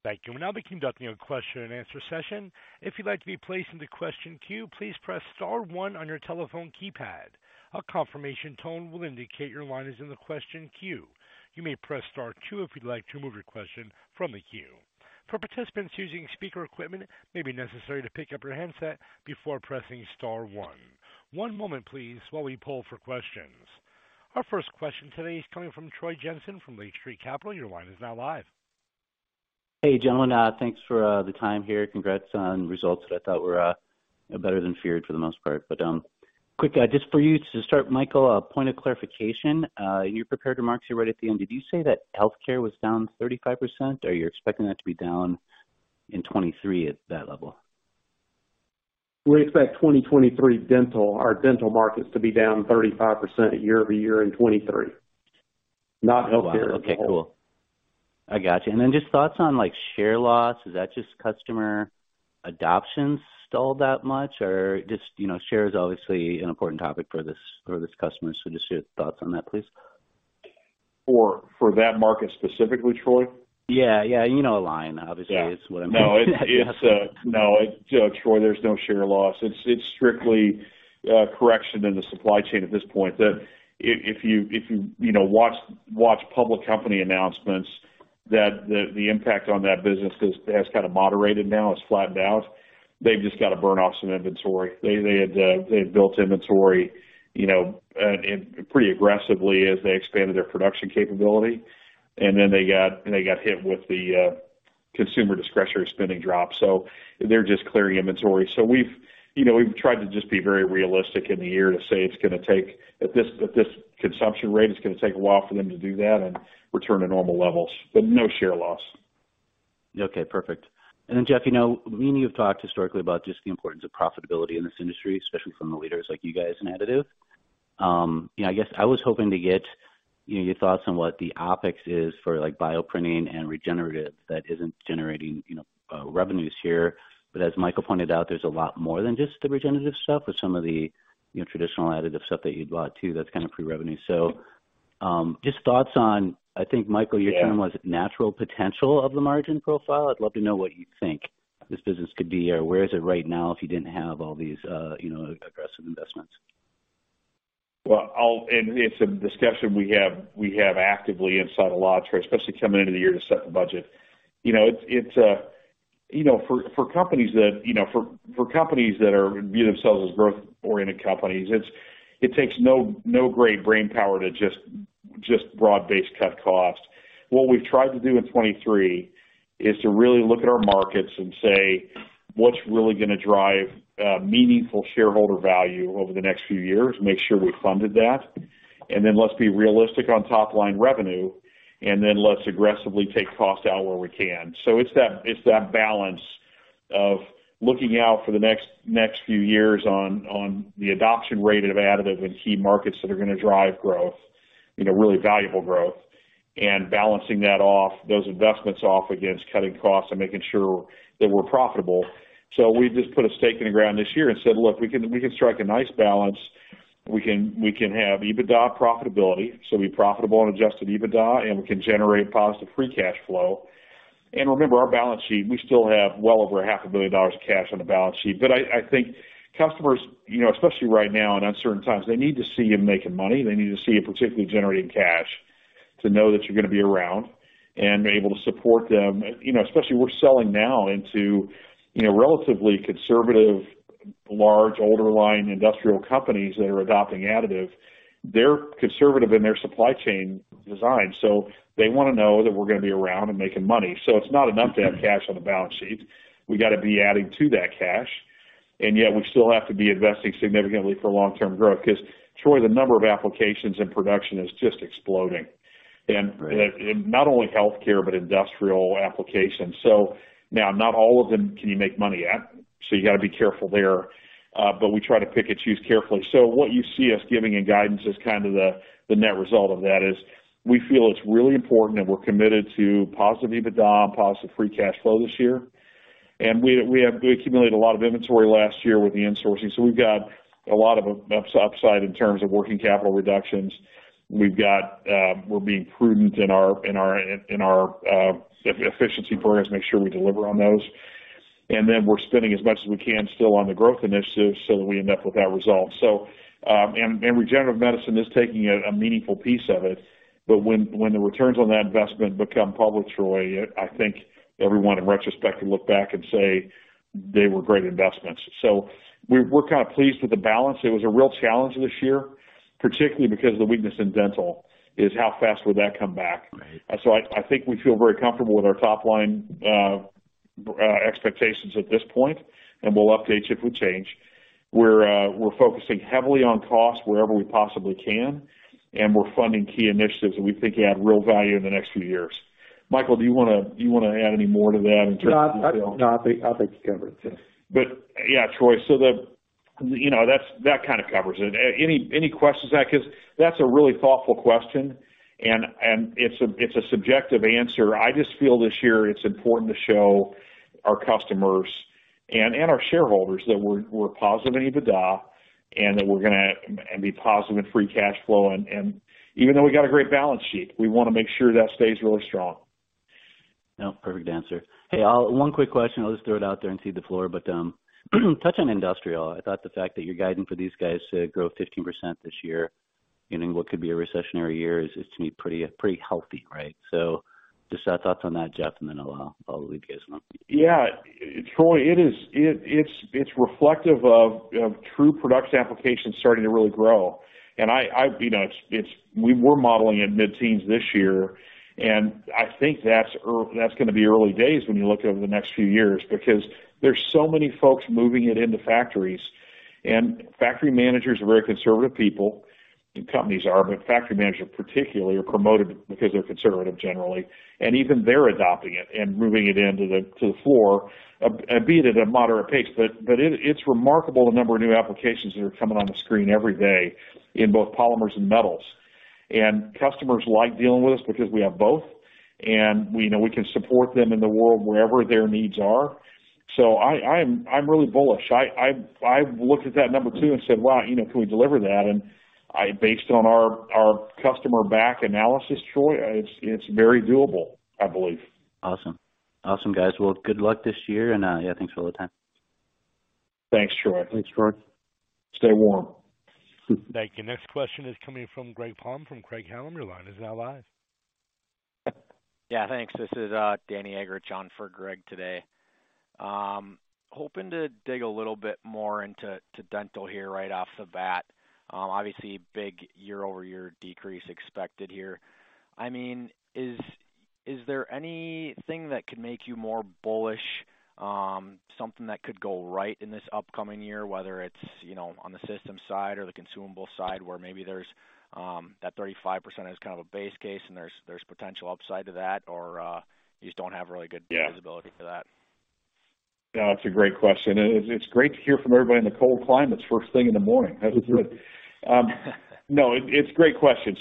Thank you. We'll now be conducting a question and answer session. If you'd like to be placed into question queue, please press star one on your telephone keypad. A confirmation tone will indicate your line is in the question queue. You may press star two if you'd like to remove your question from the queue. For participants using speaker equipment, it may be necessary to pick up your handset before pressing star one. One moment please, while we poll for questions. Our first question today is coming from Troy Jensen from Lake Street Capital Markets. Your line is now live. Hey, gentlemen, thanks for the time here. Congrats on results that I thought were better than feared for the most part. Quick, just for you to start, Michael, a point of clarification. In your prepared remarks, right at the end, did you say that healthcare was down 35%? Or you're expecting that to be down in 2023 at that level? We expect 2023 dental, our dental markets, to be down 35% year-over-year in 2023. Not healthcare as a whole. Oh, wow. Okay, cool. I got you. Just thoughts on like share loss? Is that just customer adoption stalled that much? Just, you know, share is obviously an important topic for this customer. Just your thoughts on that, please. For that market specifically, Troy? Yeah, yeah. You know line, obviously. Yeah. It's what I'm. No, it's. No, Troy, there's no share loss. It's strictly, correction in the supply chain at this point that if you know, watch public company announcements that the impact on that business has kind of moderated now, it's flattened out. They've just got to burn off some inventory. They had built inventory, you know, pretty aggressively as they expanded their production capability. Then they got hit with the consumer discretionary spending drop. They're just clearing inventory. We've, you know, we've tried to just be very realistic in the year to say it's gonna take at this consumption rate, it's gonna take a while for them to do that and return to normal levels, but no share loss. Okay, perfect. Then Jeff, you know, me and you have talked historically about just the importance of profitability in this industry, especially from the leaders like you guys in additive. you know, I guess I was hoping to get, you know, your thoughts on what the OpEx is for like bioprinting and regenerative that isn't generating, you know, revenues here. As Michael pointed out, there's a lot more than just the regenerative stuff with some of the, you know, traditional additive stuff that you'd bought too, that's kind of pre-revenue. Just thoughts on, I think, Michael, your term was natural potential of the margin profile. I'd love to know what you think this business could be or where is it right now if you didn't have all these, you know, aggressive investments. Well, it's a discussion we have actively inside of Logitrans A/S, especially coming into the year to set the budget. You know, it's, you know, for companies that, you know, for companies that are view themselves as growth-oriented companies, it's, it takes no great brainpower to just broad-based cut costs. What we've tried to do in 2023 is to really look at our markets and say, "What's really gonna drive meaningful shareholder value over the next few years?" Make sure we funded that. Let's be realistic on top line revenue, and then let's aggressively take cost out where we can. It's that balance of looking out for the next few years on the adoption rate of additive in key markets that are gonna drive growth, you know, really valuable growth, and balancing that off, those investments off against cutting costs and making sure that we're profitable. We've just put a stake in the ground this year and said, "Look, we can strike a nice balance." We can have EBITDA profitability, so be profitable and adjusted EBITDA, and we can generate positive free cash flow. Remember, our balance sheet, we still have well over a half a billion dollars of cash on the balance sheet. I think customers, you know, especially right now in uncertain times, they need to see you making money. They need to see you particularly generating cash to know that you're gonna be around and able to support them. You know, especially we're selling now into, you know, relatively conservative, large, older line industrial companies that are adopting additive. They're conservative in their supply chain design, so they wanna know that we're gonna be around and making money. It's not enough to have cash on the balance sheet. We got to be adding to that cash, and yet we still have to be investing significantly for long-term growth. 'Cause, Troy, the number of applications in production is just exploding. Right. Not only healthcare but industrial applications. Now, not all of them can you make money at, so you got to be careful there. But we try to pick and choose carefully. What you see us giving in guidance is kind of the net result of that is we feel it's really important and we're committed to positive EBITDA and positive free cash flow this year. We have accumulated a lot of inventory last year with the insourcing, so we've got a lot of upside in terms of working capital reductions. We've got. We're being prudent in our efficiency programs, make sure we deliver on those. Then we're spending as much as we can still on the growth initiatives so that we end up with that result. Regenerative medicine is taking a meaningful piece of it. When the returns on that investment become public, Troy, I think everyone in retrospect can look back and say they were great investments. We're kind of pleased with the balance. It was a real challenge this year, particularly because of the weakness in dental, is how fast would that come back. Right. I think we feel very comfortable with our top line, expectations at this point, and we'll update you if we change. We're focusing heavily on cost wherever we possibly can, and we're funding key initiatives that we think add real value in the next few years. Michael, do you wanna add any more to that in terms of. No, I think you covered it, yeah. Yeah, Troy. The, you know, that's, that kind of covers it. Any questions on that? That's a really thoughtful question and it's a subjective answer. I just feel this year it's important to show our customers and our shareholders that we're positive in EBITDA and that we're gonna be positive in free cash flow. Even though we got a great balance sheet, we wanna make sure that stays really strong. No, perfect answer. Hey, I'll One quick question, I'll just throw it out there and cede the floor, but touching industrial, I thought the fact that you're guiding for these guys to grow 15% this year in what could be a recessionary year is to me pretty healthy, right? Just our thoughts on that, Jeff, and then I'll leave you guys alone. Yeah. Troy, it's reflective of true production applications starting to really grow. You know, it's we were modeling in mid-teens this year. I think that's gonna be early days when you look over the next few years, because there's so many folks moving it into factories. Factory managers are very conservative people, and companies are, but factory managers particularly are promoted because they're conservative generally, and even they're adopting it and moving it to the floor, be it at a moderate pace. It's remarkable the number of new applications that are coming on the screen every day in both polymers and metals. Customers like dealing with us because we have both, and we know we can support them in the world wherever their needs are. I'm really bullish. I've looked at that number too and said, "Wow, you know, can we deliver that?" Based on our customer back analysis, Troy, it's very doable, I believe. Awesome. Awesome, guys. Well, good luck this year, and, yeah, thanks for all the time. Thanks, Troy. Thanks, Troy. Stay warm. Thank you. Next question is coming from Greg Palm from Craig-Hallum. Your line is now live. Yeah, thanks. This is Danny Eggerichs at John for Greg today. Hoping to dig a little bit more into to dental here right off the bat. Obviously big year-over-year decrease expected here. I mean, is there anything that could make you more bullish, something that could go right in this upcoming year, whether it's, you know, on the systems side or the consumable side, where maybe there's that 35% as kind of a base case and there's potential upside to that, or you just don't have really good-? Yeah. Visibility for that? No, it's a great question. It's great to hear from everybody in the cold climates first thing in the morning. That's good. No, it's great question.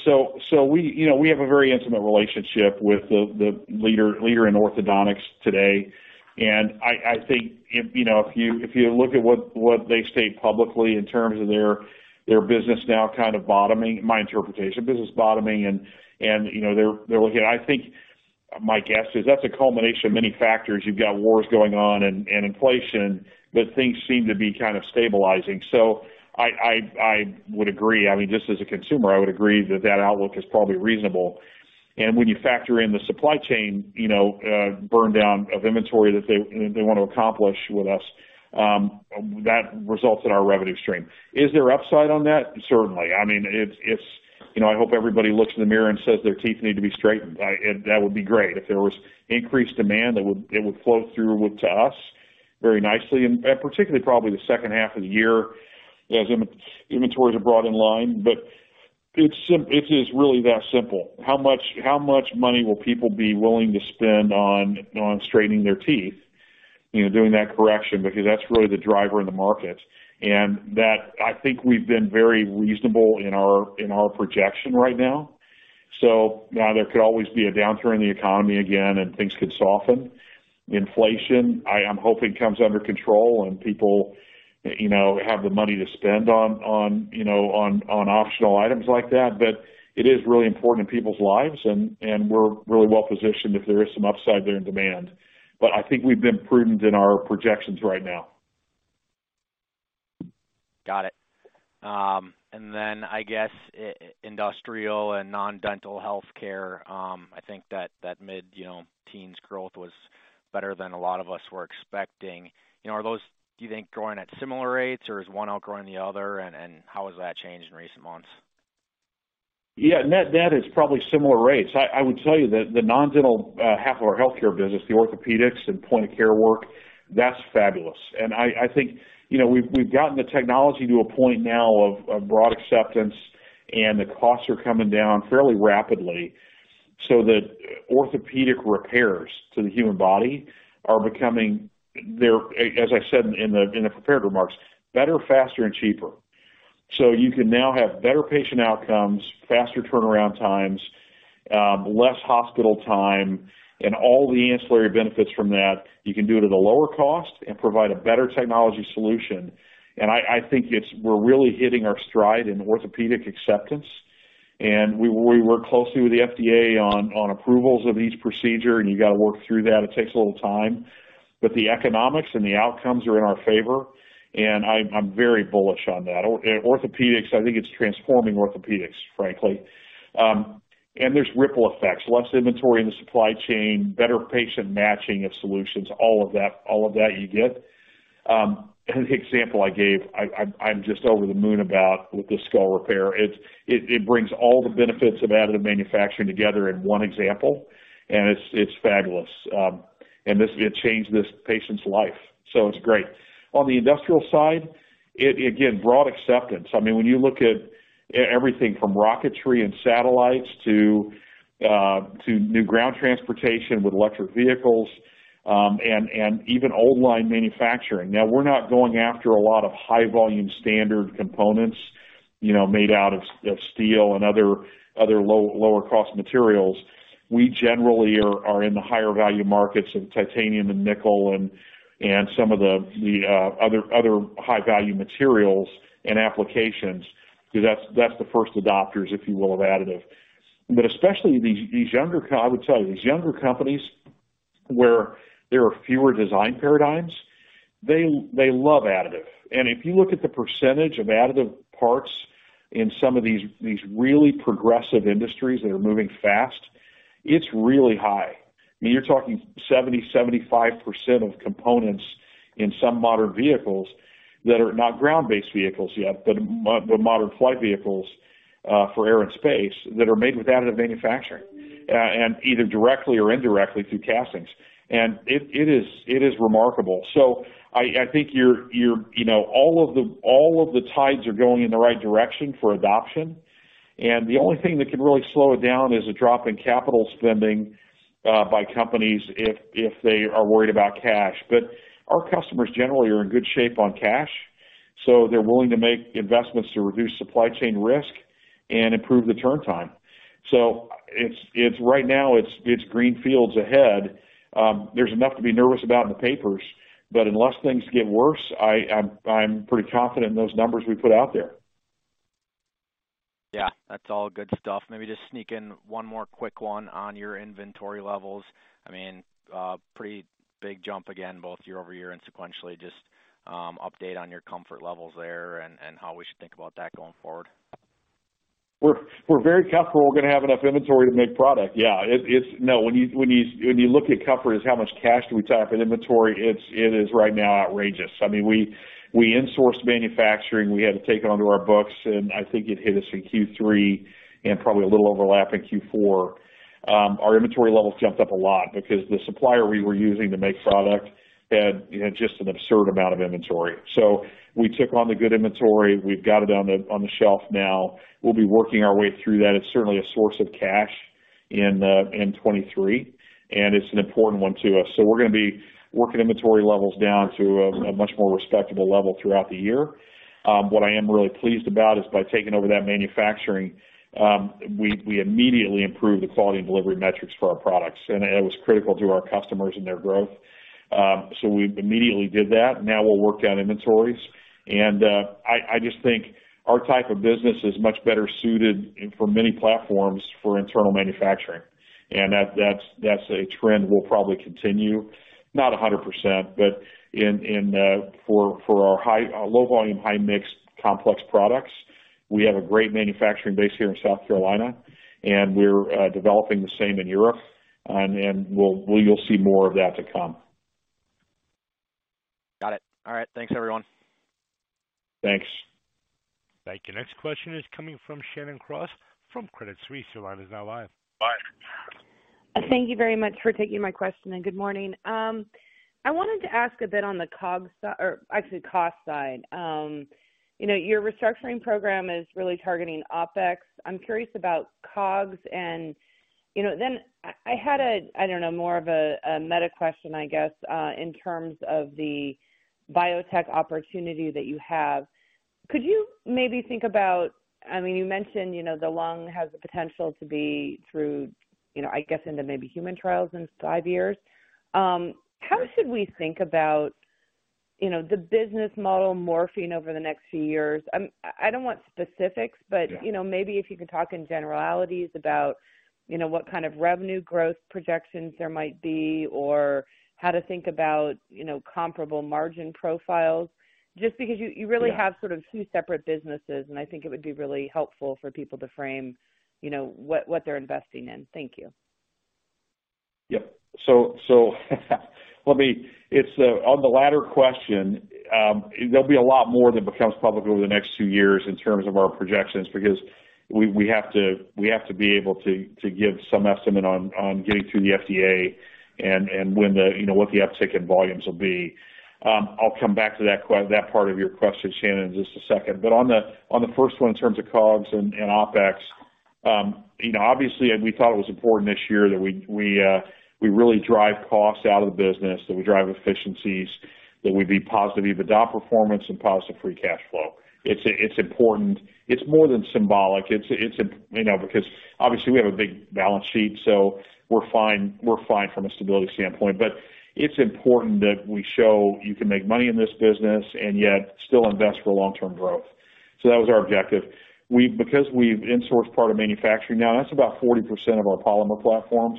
We, you know, we have a very intimate relationship with the leader in orthodontics today. I think if, you know, if you look at what they state publicly in terms of their business now kind of bottoming, my interpretation, business bottoming and, you know, they're looking. I think my guess is that's a culmination of many factors. You've got wars going on and inflation, but things seem to be kind of stabilizing. I would agree. I mean, just as a consumer, I would agree that outlook is probably reasonable. When you factor in the supply chain, you know, burn down of inventory that they want to accomplish with us, that results in our revenue stream. Is there upside on that? Certainly. I mean, it's, you know, I hope everybody looks in the mirror and says their teeth need to be straightened. That would be great. If there was increased demand, it would flow through with to us very nicely and particularly probably the second half of the year as inventories are brought in line. It's really that simple. How much money will people be willing to spend on straightening their teeth, you know, doing that correction? That's really the driver in the market. That I think we've been very reasonable in our projection right now. Now there could always be a downturn in the economy again and things could soften. Inflation, I am hoping comes under control and people, you know, have the money to spend on, you know, on optional items like that. It is really important in people's lives and we're really well positioned if there is some upside there in demand. I think we've been prudent in our projections right now. Got it. Then I guess industrial and non-dental healthcare, I think that mid, you know, teens growth was better than a lot of us were expecting. You know, are those, do you think growing at similar rates or is one outgrowing the other and how has that changed in recent months? Yeah. Net, net is probably similar rates. I would tell you that the non-dental, half of our healthcare business, the orthopedics and point-of-care work, that's fabulous. I think, you know, we've gotten the technology to a point now of broad acceptance and the costs are coming down fairly rapidly, so that orthopedic repairs to the human body are becoming. They're, as I said in the prepared remarks, better, faster and cheaper. You can now have better patient outcomes, faster turnaround times, less hospital time and all the ancillary benefits from that. You can do it at a lower cost and provide a better technology solution. I think it's we're really hitting our stride in orthopedic acceptance, and we work closely with the FDA on approvals of each procedure, and you gotta work through that. It takes a little time, the economics and the outcomes are in our favor, and I'm very bullish on that. Orthopedics, I think it's transforming orthopedics, frankly. There's ripple effects, less inventory in the supply chain, better patient matching of solutions, all of that you get. The example I gave, I'm just over the moon about with the skull repair. It brings all the benefits of additive manufacturing together in one example, and it's fabulous. It changed this patient's life, it's great. On the industrial side, it again, broad acceptance. I mean, when you look at everything from rocketry and satellites to new ground transportation with electric vehicles, and even old line manufacturing. We're not going after a lot of high volume standard components, you know, made out of steel and other lower cost materials. We generally are in the higher value markets of titanium and nickel and some of the other high value materials and applications. That's the first adopters, if you will, of additive. Especially these younger companies where there are fewer design paradigms, they love additive. If you look at the % of additive parts in some of these really progressive industries that are moving fast, it's really high. I mean, you're talking 70%-75% of components in some modern vehicles that are not ground-based vehicles yet, but modern flight vehicles. for air and space that are made with additive manufacturing, and either directly or indirectly through castings. It is remarkable. I think you know, all of the tides are going in the right direction for adoption, the only thing that could really slow it down is a drop in capital spending by companies if they are worried about cash. Our customers generally are in good shape on cash, they're willing to make investments to reduce supply chain risk and improve the turn time. It's right now, it's green fields ahead. There's enough to be nervous about in the papers, but unless things get worse, I'm pretty confident in those numbers we put out there. Yeah. That's all good stuff. Maybe just sneak in one more quick one on your inventory levels. I mean, pretty big jump again, both year-over-year and sequentially. Just, update on your comfort levels there and how we should think about that going forward. We're very comfortable we're gonna have enough inventory to make product. Yeah. it's no. When you look at comfort is how much cash do we tie up in inventory, it is right now outrageous. I mean, we insourced manufacturing, we had to take it onto our books, and I think it hit us in Q3 and probably a little overlap in Q4. Our inventory levels jumped up a lot because the supplier we were using to make product had just an absurd amount of inventory. We took on the good inventory. We've got it on the shelf now. We'll be working our way through that. It's certainly a source of cash in 2023, and it's an important one to us. We're gonna be working inventory levels down to a much more respectable level throughout the year. What I am really pleased about is by taking over that manufacturing, we immediately improved the quality and delivery metrics for our products, and it was critical to our customers and their growth. We immediately did that. Now we'll work down inventories. I just think our type of business is much better suited and for many platforms for internal manufacturing. That's a trend we'll probably continue, not 100%, but for our low volume, high mix complex products, we have a great manufacturing base here in South Carolina, and we're developing the same in Europe, and you'll see more of that to come. Got it. All right. Thanks, everyone. Thanks. Thank you. Next question is coming from Shannon Cross from Credit Suisse. Your line is now live. Hi. Thank you very much for taking my question. Good morning. I wanted to ask a bit on the COGS or actually cost side. You know, your restructuring program is really targeting OpEx. I'm curious about COGS. You know, then I had a, I don't know, more of a meta question, I guess, in terms of the biotech opportunity that you have. Could you maybe think about... I mean, you mentioned, you know, the lung has the potential to be through, you know, I guess, into maybe human trials in five years. How should we think about, you know, the business model morphing over the next few years? I don't want specifics, but- Yeah. You know, maybe if you could talk in generalities about, you know, what kind of revenue growth projections there might be, or how to think about, you know, comparable margin profiles, just because you really have sort of two separate businesses, and I think it would be really helpful for people to frame, you know, what they're investing in. Thank you. Let me. It's on the latter question, there'll be a lot more that becomes public over the next two years in terms of our projections, because we have to be able to give some estimate on getting through the FDA and when the, you know, what the uptick in volumes will be. I'll come back to that part of your question, Shannon, in just a second. On the first one, in terms of COGS and OpEx, you know, obviously we thought it was important this year that we really drive costs out of the business, that we drive efficiencies, that we be positive EBITDA performance and positive free cash flow. It's important. It's more than symbolic. It's you know, because obviously we have a big balance sheet, so we're fine, we're fine from a stability standpoint. It's important that we show you can make money in this business and yet still invest for long-term growth. That was our objective. Because we've insourced part of manufacturing now, that's about 40% of our polymer platforms.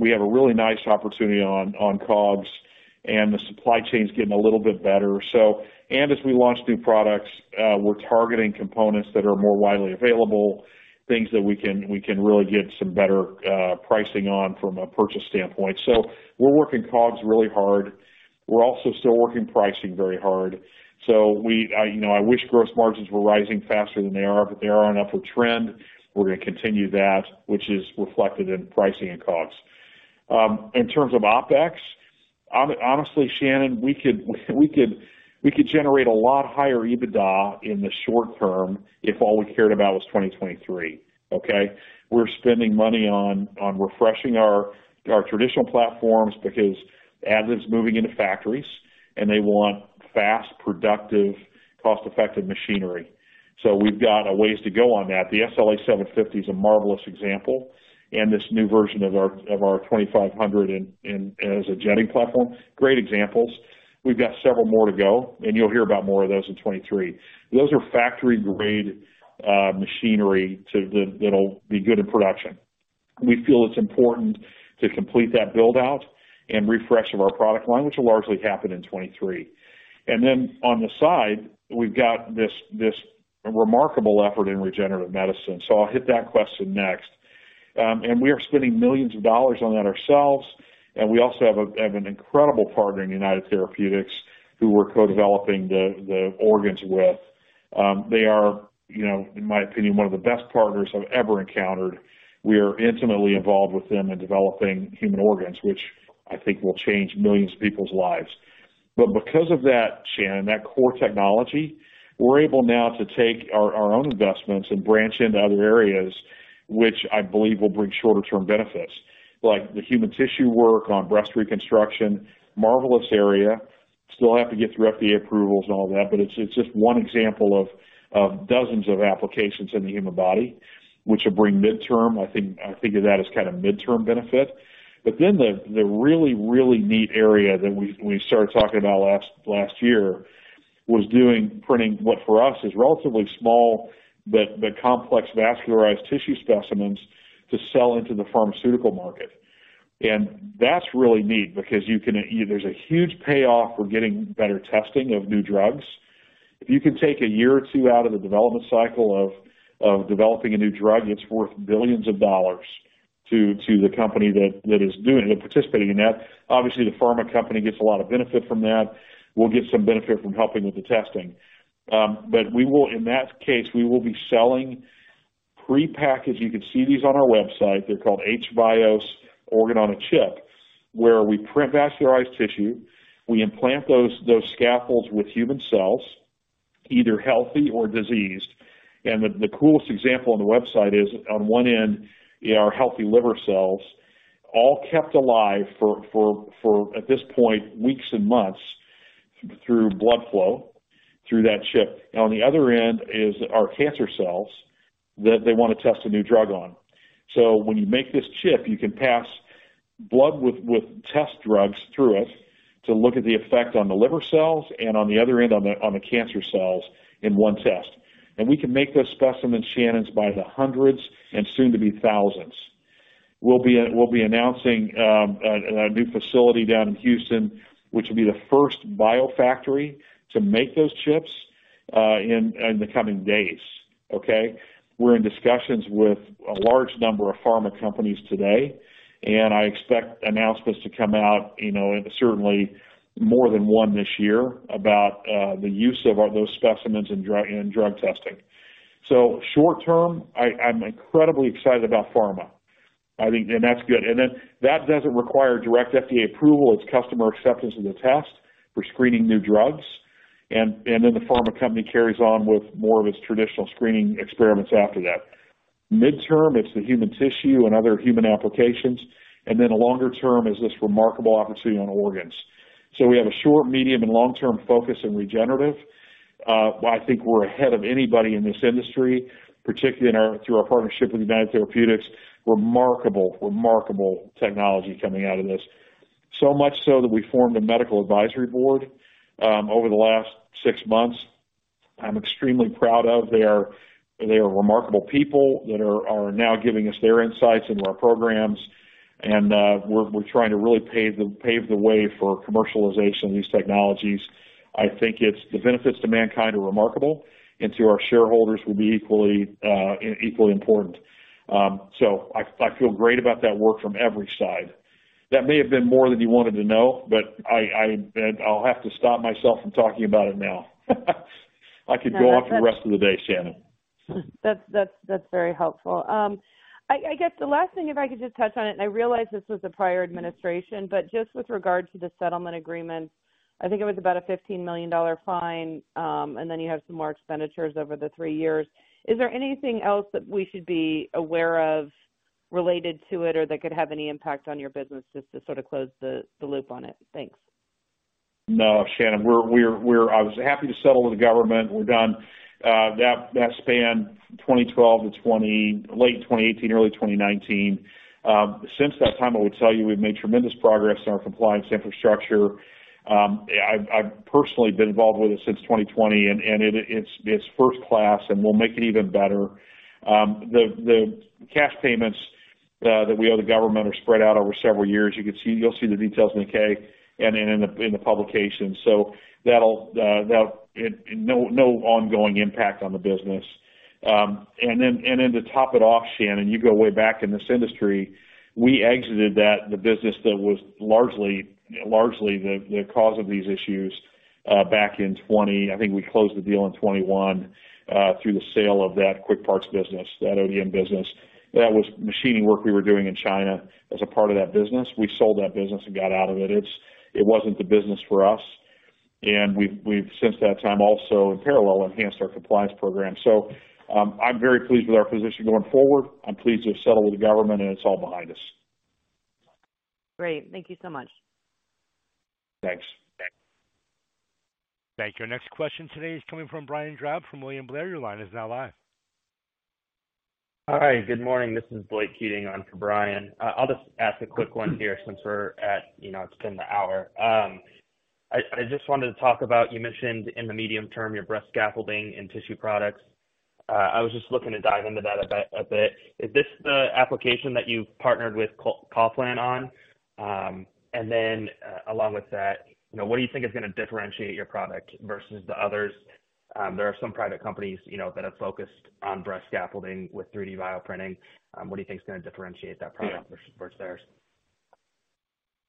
We have a really nice opportunity on COGS, and the supply chain's getting a little bit better. As we launch new products, we're targeting components that are more widely available, things that we can really get some better pricing on from a purchase standpoint. We're working COGS really hard. We're also still working pricing very hard. I, you know, I wish gross margins were rising faster than they are, but they are on an upward trend. We're gonna continue that, which is reflected in pricing and COGS. In terms of OpEx, honestly, Shannon, we could generate a lot higher EBITDA in the short term if all we cared about was 2023, okay. We're spending money on refreshing our traditional platforms because additive's moving into factories, and they want fast, productive, cost-effective machinery. We've got a ways to go on that. The SLA 750 is a marvelous example, and this new version of our 2500 as a jetting platform, great examples. We've got several more to go, and you'll hear about more of those in 2023. Those are factory grade machinery that'll be good in production. We feel it's important to complete that build-out and refresh of our product line, which will largely happen in 2023. On the side, we've got this remarkable effort in regenerative medicine. I'll hit that question next. We are spending millions of dollars on that ourselves. We also have an incredible partner in United Therapeutics who we're co-developing the organs with. They are, you know, in my opinion, one of the best partners I've ever encountered. We are intimately involved with them in developing human organs, which I think will change millions of people's lives. Because of that, Shannon, that core technology, we're able now to take our own investments and branch into other areas which I believe will bring shorter term benefits. Like the human tissue work on breast reconstruction, marvelous area. Still have to get through FDA approvals and all that, it's just one example of dozens of applications in the human body which will bring midterm, I figure that as kind of midterm benefit. The really neat area that we started talking about last year was doing printing, what for us is relatively small, but the complex vascularized tissue specimens to sell into the pharmaceutical market. That's really neat because there's a huge payoff for getting better testing of new drugs. If you can take a year or two out of the development cycle of developing a new drug, it's worth billions of dollars to the company that is doing it and participating in that. Obviously, the pharma company gets a lot of benefit from that. We'll get some benefit from helping with the testing. In that case, we will be selling prepackaged... You can see these on our website, they're called h-VIOS Organ-on-a-Chip, where we print vascularized tissue, we implant those scaffolds with human cells, either healthy or diseased. The coolest example on the website is on one end are healthy liver cells, all kept alive for, at this point, weeks and months through blood flow, through that chip. On the other end is our cancer cells that they wanna test a new drug on. When you make this chip, you can pass blood with test drugs through it to look at the effect on the liver cells and on the other end on the cancer cells in one test. We can make those specimens, Shannon, by the hundreds and soon to be thousands. We'll be announcing a new facility down in Houston, which will be the first biofactory to make those chips in the coming days, okay? We're in discussions with a large number of pharma companies today. I expect announcements to come out, you know, certainly more than 1 this year, about the use of all those specimens in drug testing. Short term, I'm incredibly excited about pharma, I think, and that's good. That doesn't require direct FDA approval. It's customer acceptance of the test for screening new drugs. The pharma company carries on with more of its traditional screening experiments after that. Midterm, it's the human tissue and other human applications, then a longer term is this remarkable opportunity on organs. We have a short, medium, and long-term focus in regenerative. I think we're ahead of anybody in this industry, particularly through our partnership with United Therapeutics. Remarkable technology coming out of this. So much so that we formed a medical advisory board over the last 6 months I'm extremely proud of. They are remarkable people that are now giving us their insights into our programs. We're trying to really pave the way for commercialization of these technologies. I think it's the benefits to mankind are remarkable and to our shareholders will be equally important. I feel great about that work from every side. That may have been more than you wanted to know, but I'll have to stop myself from talking about it now. I could go on for the rest of the day, Shannon. That's very helpful. I guess the last thing, if I could just touch on it, and I realize this was the prior administration, but just with regard to the settlement agreement, I think it was about a $15 million fine, and then you have some more expenditures over the three years. Is there anything else that we should be aware of related to it or that could have any impact on your business, just to sort of close the loop on it? Thanks. No, Shannon. I was happy to settle with the government. We're done. That spanned 2012 to late 2018, early 2019. Since that time, I would tell you, we've made tremendous progress in our compliance infrastructure. I've personally been involved with it since 2020 and it's first class, and we'll make it even better. The cash payments that we owe the government are spread out over several years. You'll see the details in the K and in the publication. That'll no ongoing impact on the business. And then to top it off, Shannon, you go way back in this industry, we exited the business that was largely the cause of these issues back in 2020. I think we closed the deal in 2021, through the sale of that Quickparts business, that ODM business. That was machining work we were doing in China as a part of that business. We sold that business and got out of it. It wasn't the business for us. We've since that time also in parallel, enhanced our compliance program. I'm very pleased with our position going forward. I'm pleased to have settled with the government, and it's all behind us. Great. Thank you so much. Thanks. Thank you. Next question today is coming from Brian Drab from William Blair. Your line is now live. Hi, good morning. This is Blake Keating on for Brian. I'll just ask a quick one here since we're at, you know, it's been the hour. I just wanted to talk about, you mentioned in the medium term, your breast scaffolding and tissue products. I was just looking to dive into that a bit. Is this the application that you've partnered with Conformis on? Along with that, you know, what do you think is gonna differentiate your product versus the others? There are some private companies, you know, that have focused on breast scaffolding with 3D bioprinting. What do you think is gonna differentiate that product versus theirs?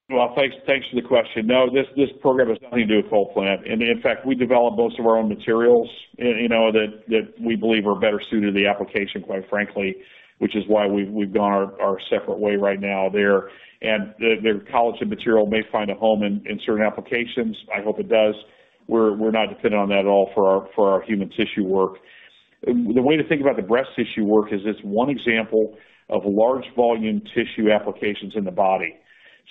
Well, thanks for the question. No, this program has nothing to do with CollPlant. In fact, we developed most of our own materials, you know, that we believe are better suited to the application, quite frankly, which is why we've gone our separate way right now there. The collagen material may find a home in certain applications. I hope it does. We're not dependent on that at all for our human tissue work. The way to think about the breast tissue work is it's one example of large volume tissue applications in the body.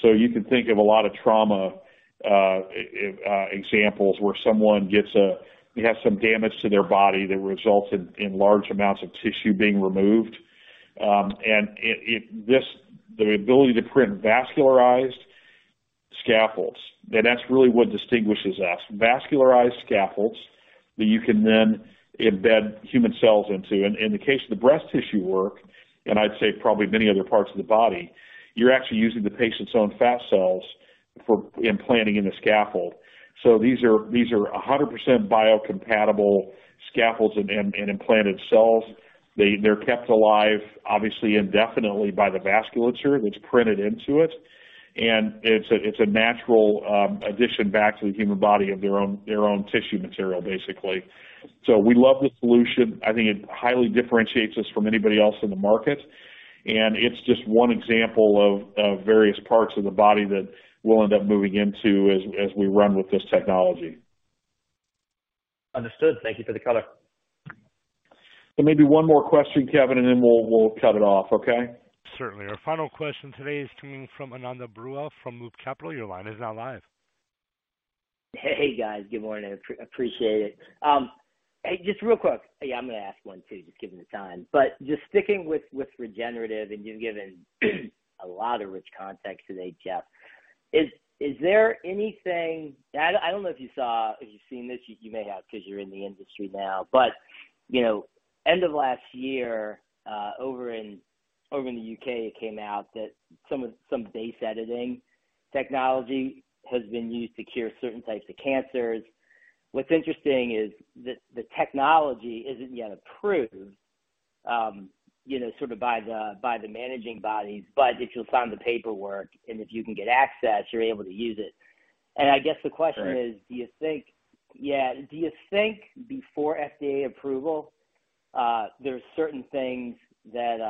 You can think of a lot of trauma examples where someone they have some damage to their body that resulted in large amounts of tissue being removed. This, the ability to print vascularized scaffolds, then that's really what distinguishes us. Vascularized scaffolds that you can then embed human cells into. In the case of the breast tissue work, and I'd say probably many other parts of the body, you're actually using the patient's own fat cells for implanting in the scaffold. These are 100% biocompatible scaffolds and implanted cells. They're kept alive, obviously indefinitely by the vasculature that's printed into it. It's a natural addition back to the human body of their own tissue material, basically. We love the solution. I think it highly differentiates us from anybody else in the market. It's just one example of various parts of the body that we'll end up moving into as we run with this technology. Understood. Thank you for the color. Maybe one more question, Kevin, and then we'll cut it off. Okay? Certainly. Our final question today is coming from Ananda Baruah from Loop Capital Markets. Your line is now live. Hey, guys. Good morning. I appreciate it. Hey, just real quick. Yeah, I'm gonna ask one too, just given the time. Just sticking with regenerative, and you've given a lot of rich context today, Jeff. Is there anything... I don't know if you've seen this, you may have because you're in the industry now. You know, end of last year, over in the U.K., it came out that some base editing technology has been used to cure certain types of cancers. What's interesting is the technology isn't yet approved, you know, sort of by the managing bodies, but if you'll sign the paperwork and if you can get access, you're able to use it. I guess the question is, do you think- Right. Yeah. Do you think before FDA approval, there's certain things that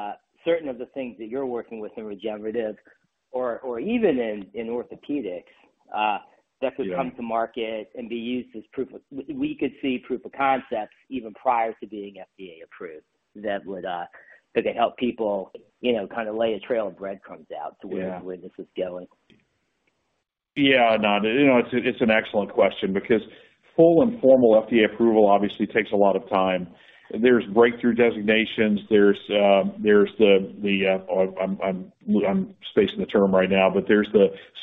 certain of the things that you're working with in regenerative or even in orthopedics? Yeah. That could come to market and be used as proof of... We could see proof of concepts even prior to being FDA approved that would that could help people, you know, kind of lay a trail of breadcrumbs out to where... Yeah. Where this is going. You know, it's an excellent question because full and formal FDA approval obviously takes a lot of time. There's breakthrough designations. There's the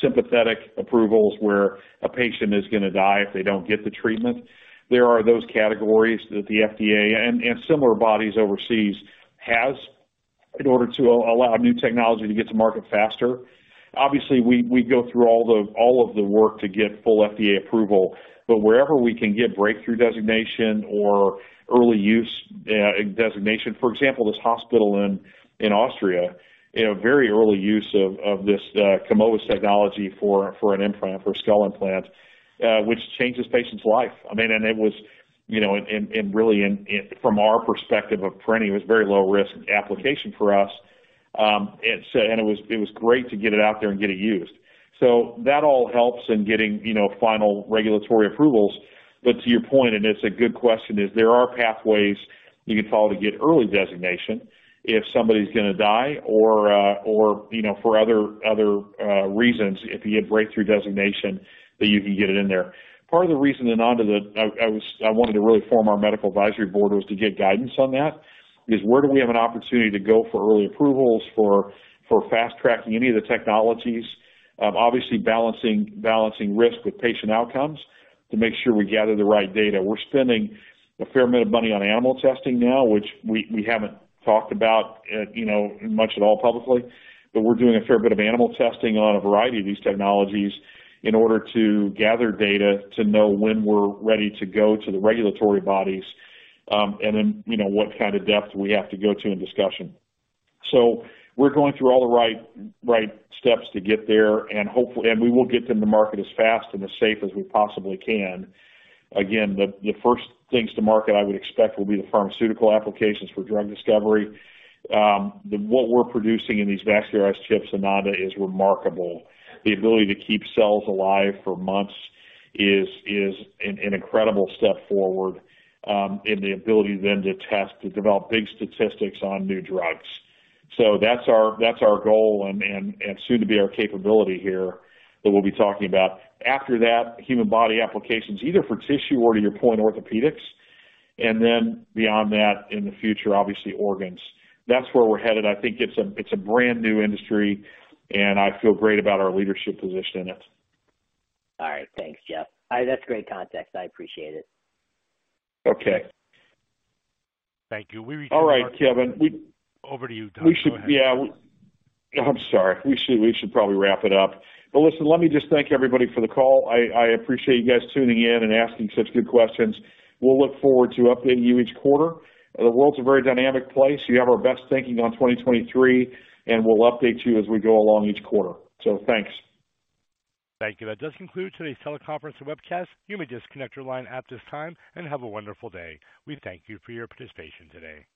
sympathetic approvals where a patient is going to die if they don't get the treatment. There are those categories that the FDA and similar bodies overseas has in order to allow new technology to get to market faster. We go through all of the work to get full FDA approval, but wherever we can get breakthrough designation or early use designation. For example, this hospital in Austria in a very early use of this Kumovis technology for an implant for a skull implant, which changes patients life. I mean, it was, you know, and really from our perspective of trending, it was very low risk application for us. It was great to get it out there and get it used. That all helps in getting, you know, final regulatory approvals. To your point, and it's a good question, there are pathways you can follow to get early designation if somebody's gonna die or, you know, for other reasons, if you have breakthrough designation that you can get it in there. Part of the reason I wanted to really form our medical advisory board was to get guidance on that. Where do we have an opportunity to go for early approvals for fast-tracking any of the technologies? Obviously balancing risk with patient outcomes to make sure we gather the right data. We're spending a fair amount of money on animal testing now, which we haven't talked about, you know, much at all publicly. We're doing a fair bit of animal testing on a variety of these technologies in order to gather data to know when we're ready to go to the regulatory bodies, and then, you know, what kind of depth we have to go to in discussion. We're going through all the right steps to get there, and we will get them to market as fast and as safe as we possibly can. Again, the first things to market I would expect will be the pharmaceutical applications for drug discovery. What we're producing in these vascularized chips, Ananda, is remarkable. The ability to keep cells alive for months is an incredible step forward, in the ability then to test, to develop big statistics on new drugs. That's our goal and soon to be our capability here that we'll be talking about. After that, human body applications, either for tissue or to your point, orthopedics. Beyond that, in the future, obviously, organs. That's where we're headed. I think it's a brand-new industry. I feel great about our leadership position in it. All right. Thanks, Jeff. All right, that's great context. I appreciate it. Okay. Thank you. We reach the market- All right, Kevin. Over to you, Doctor. Go ahead. Yeah. I'm sorry. We should probably wrap it up. Listen, let me just thank everybody for the call. I appreciate you guys tuning in and asking such good questions. We'll look forward to updating you each quarter. The world's a very dynamic place. You have our best thinking on 2023, and we'll update you as we go along each quarter. Thanks. Thank you. That does conclude today's teleconference and webcast. You may disconnect your line at this time, and have a wonderful day. We thank you for your participation today.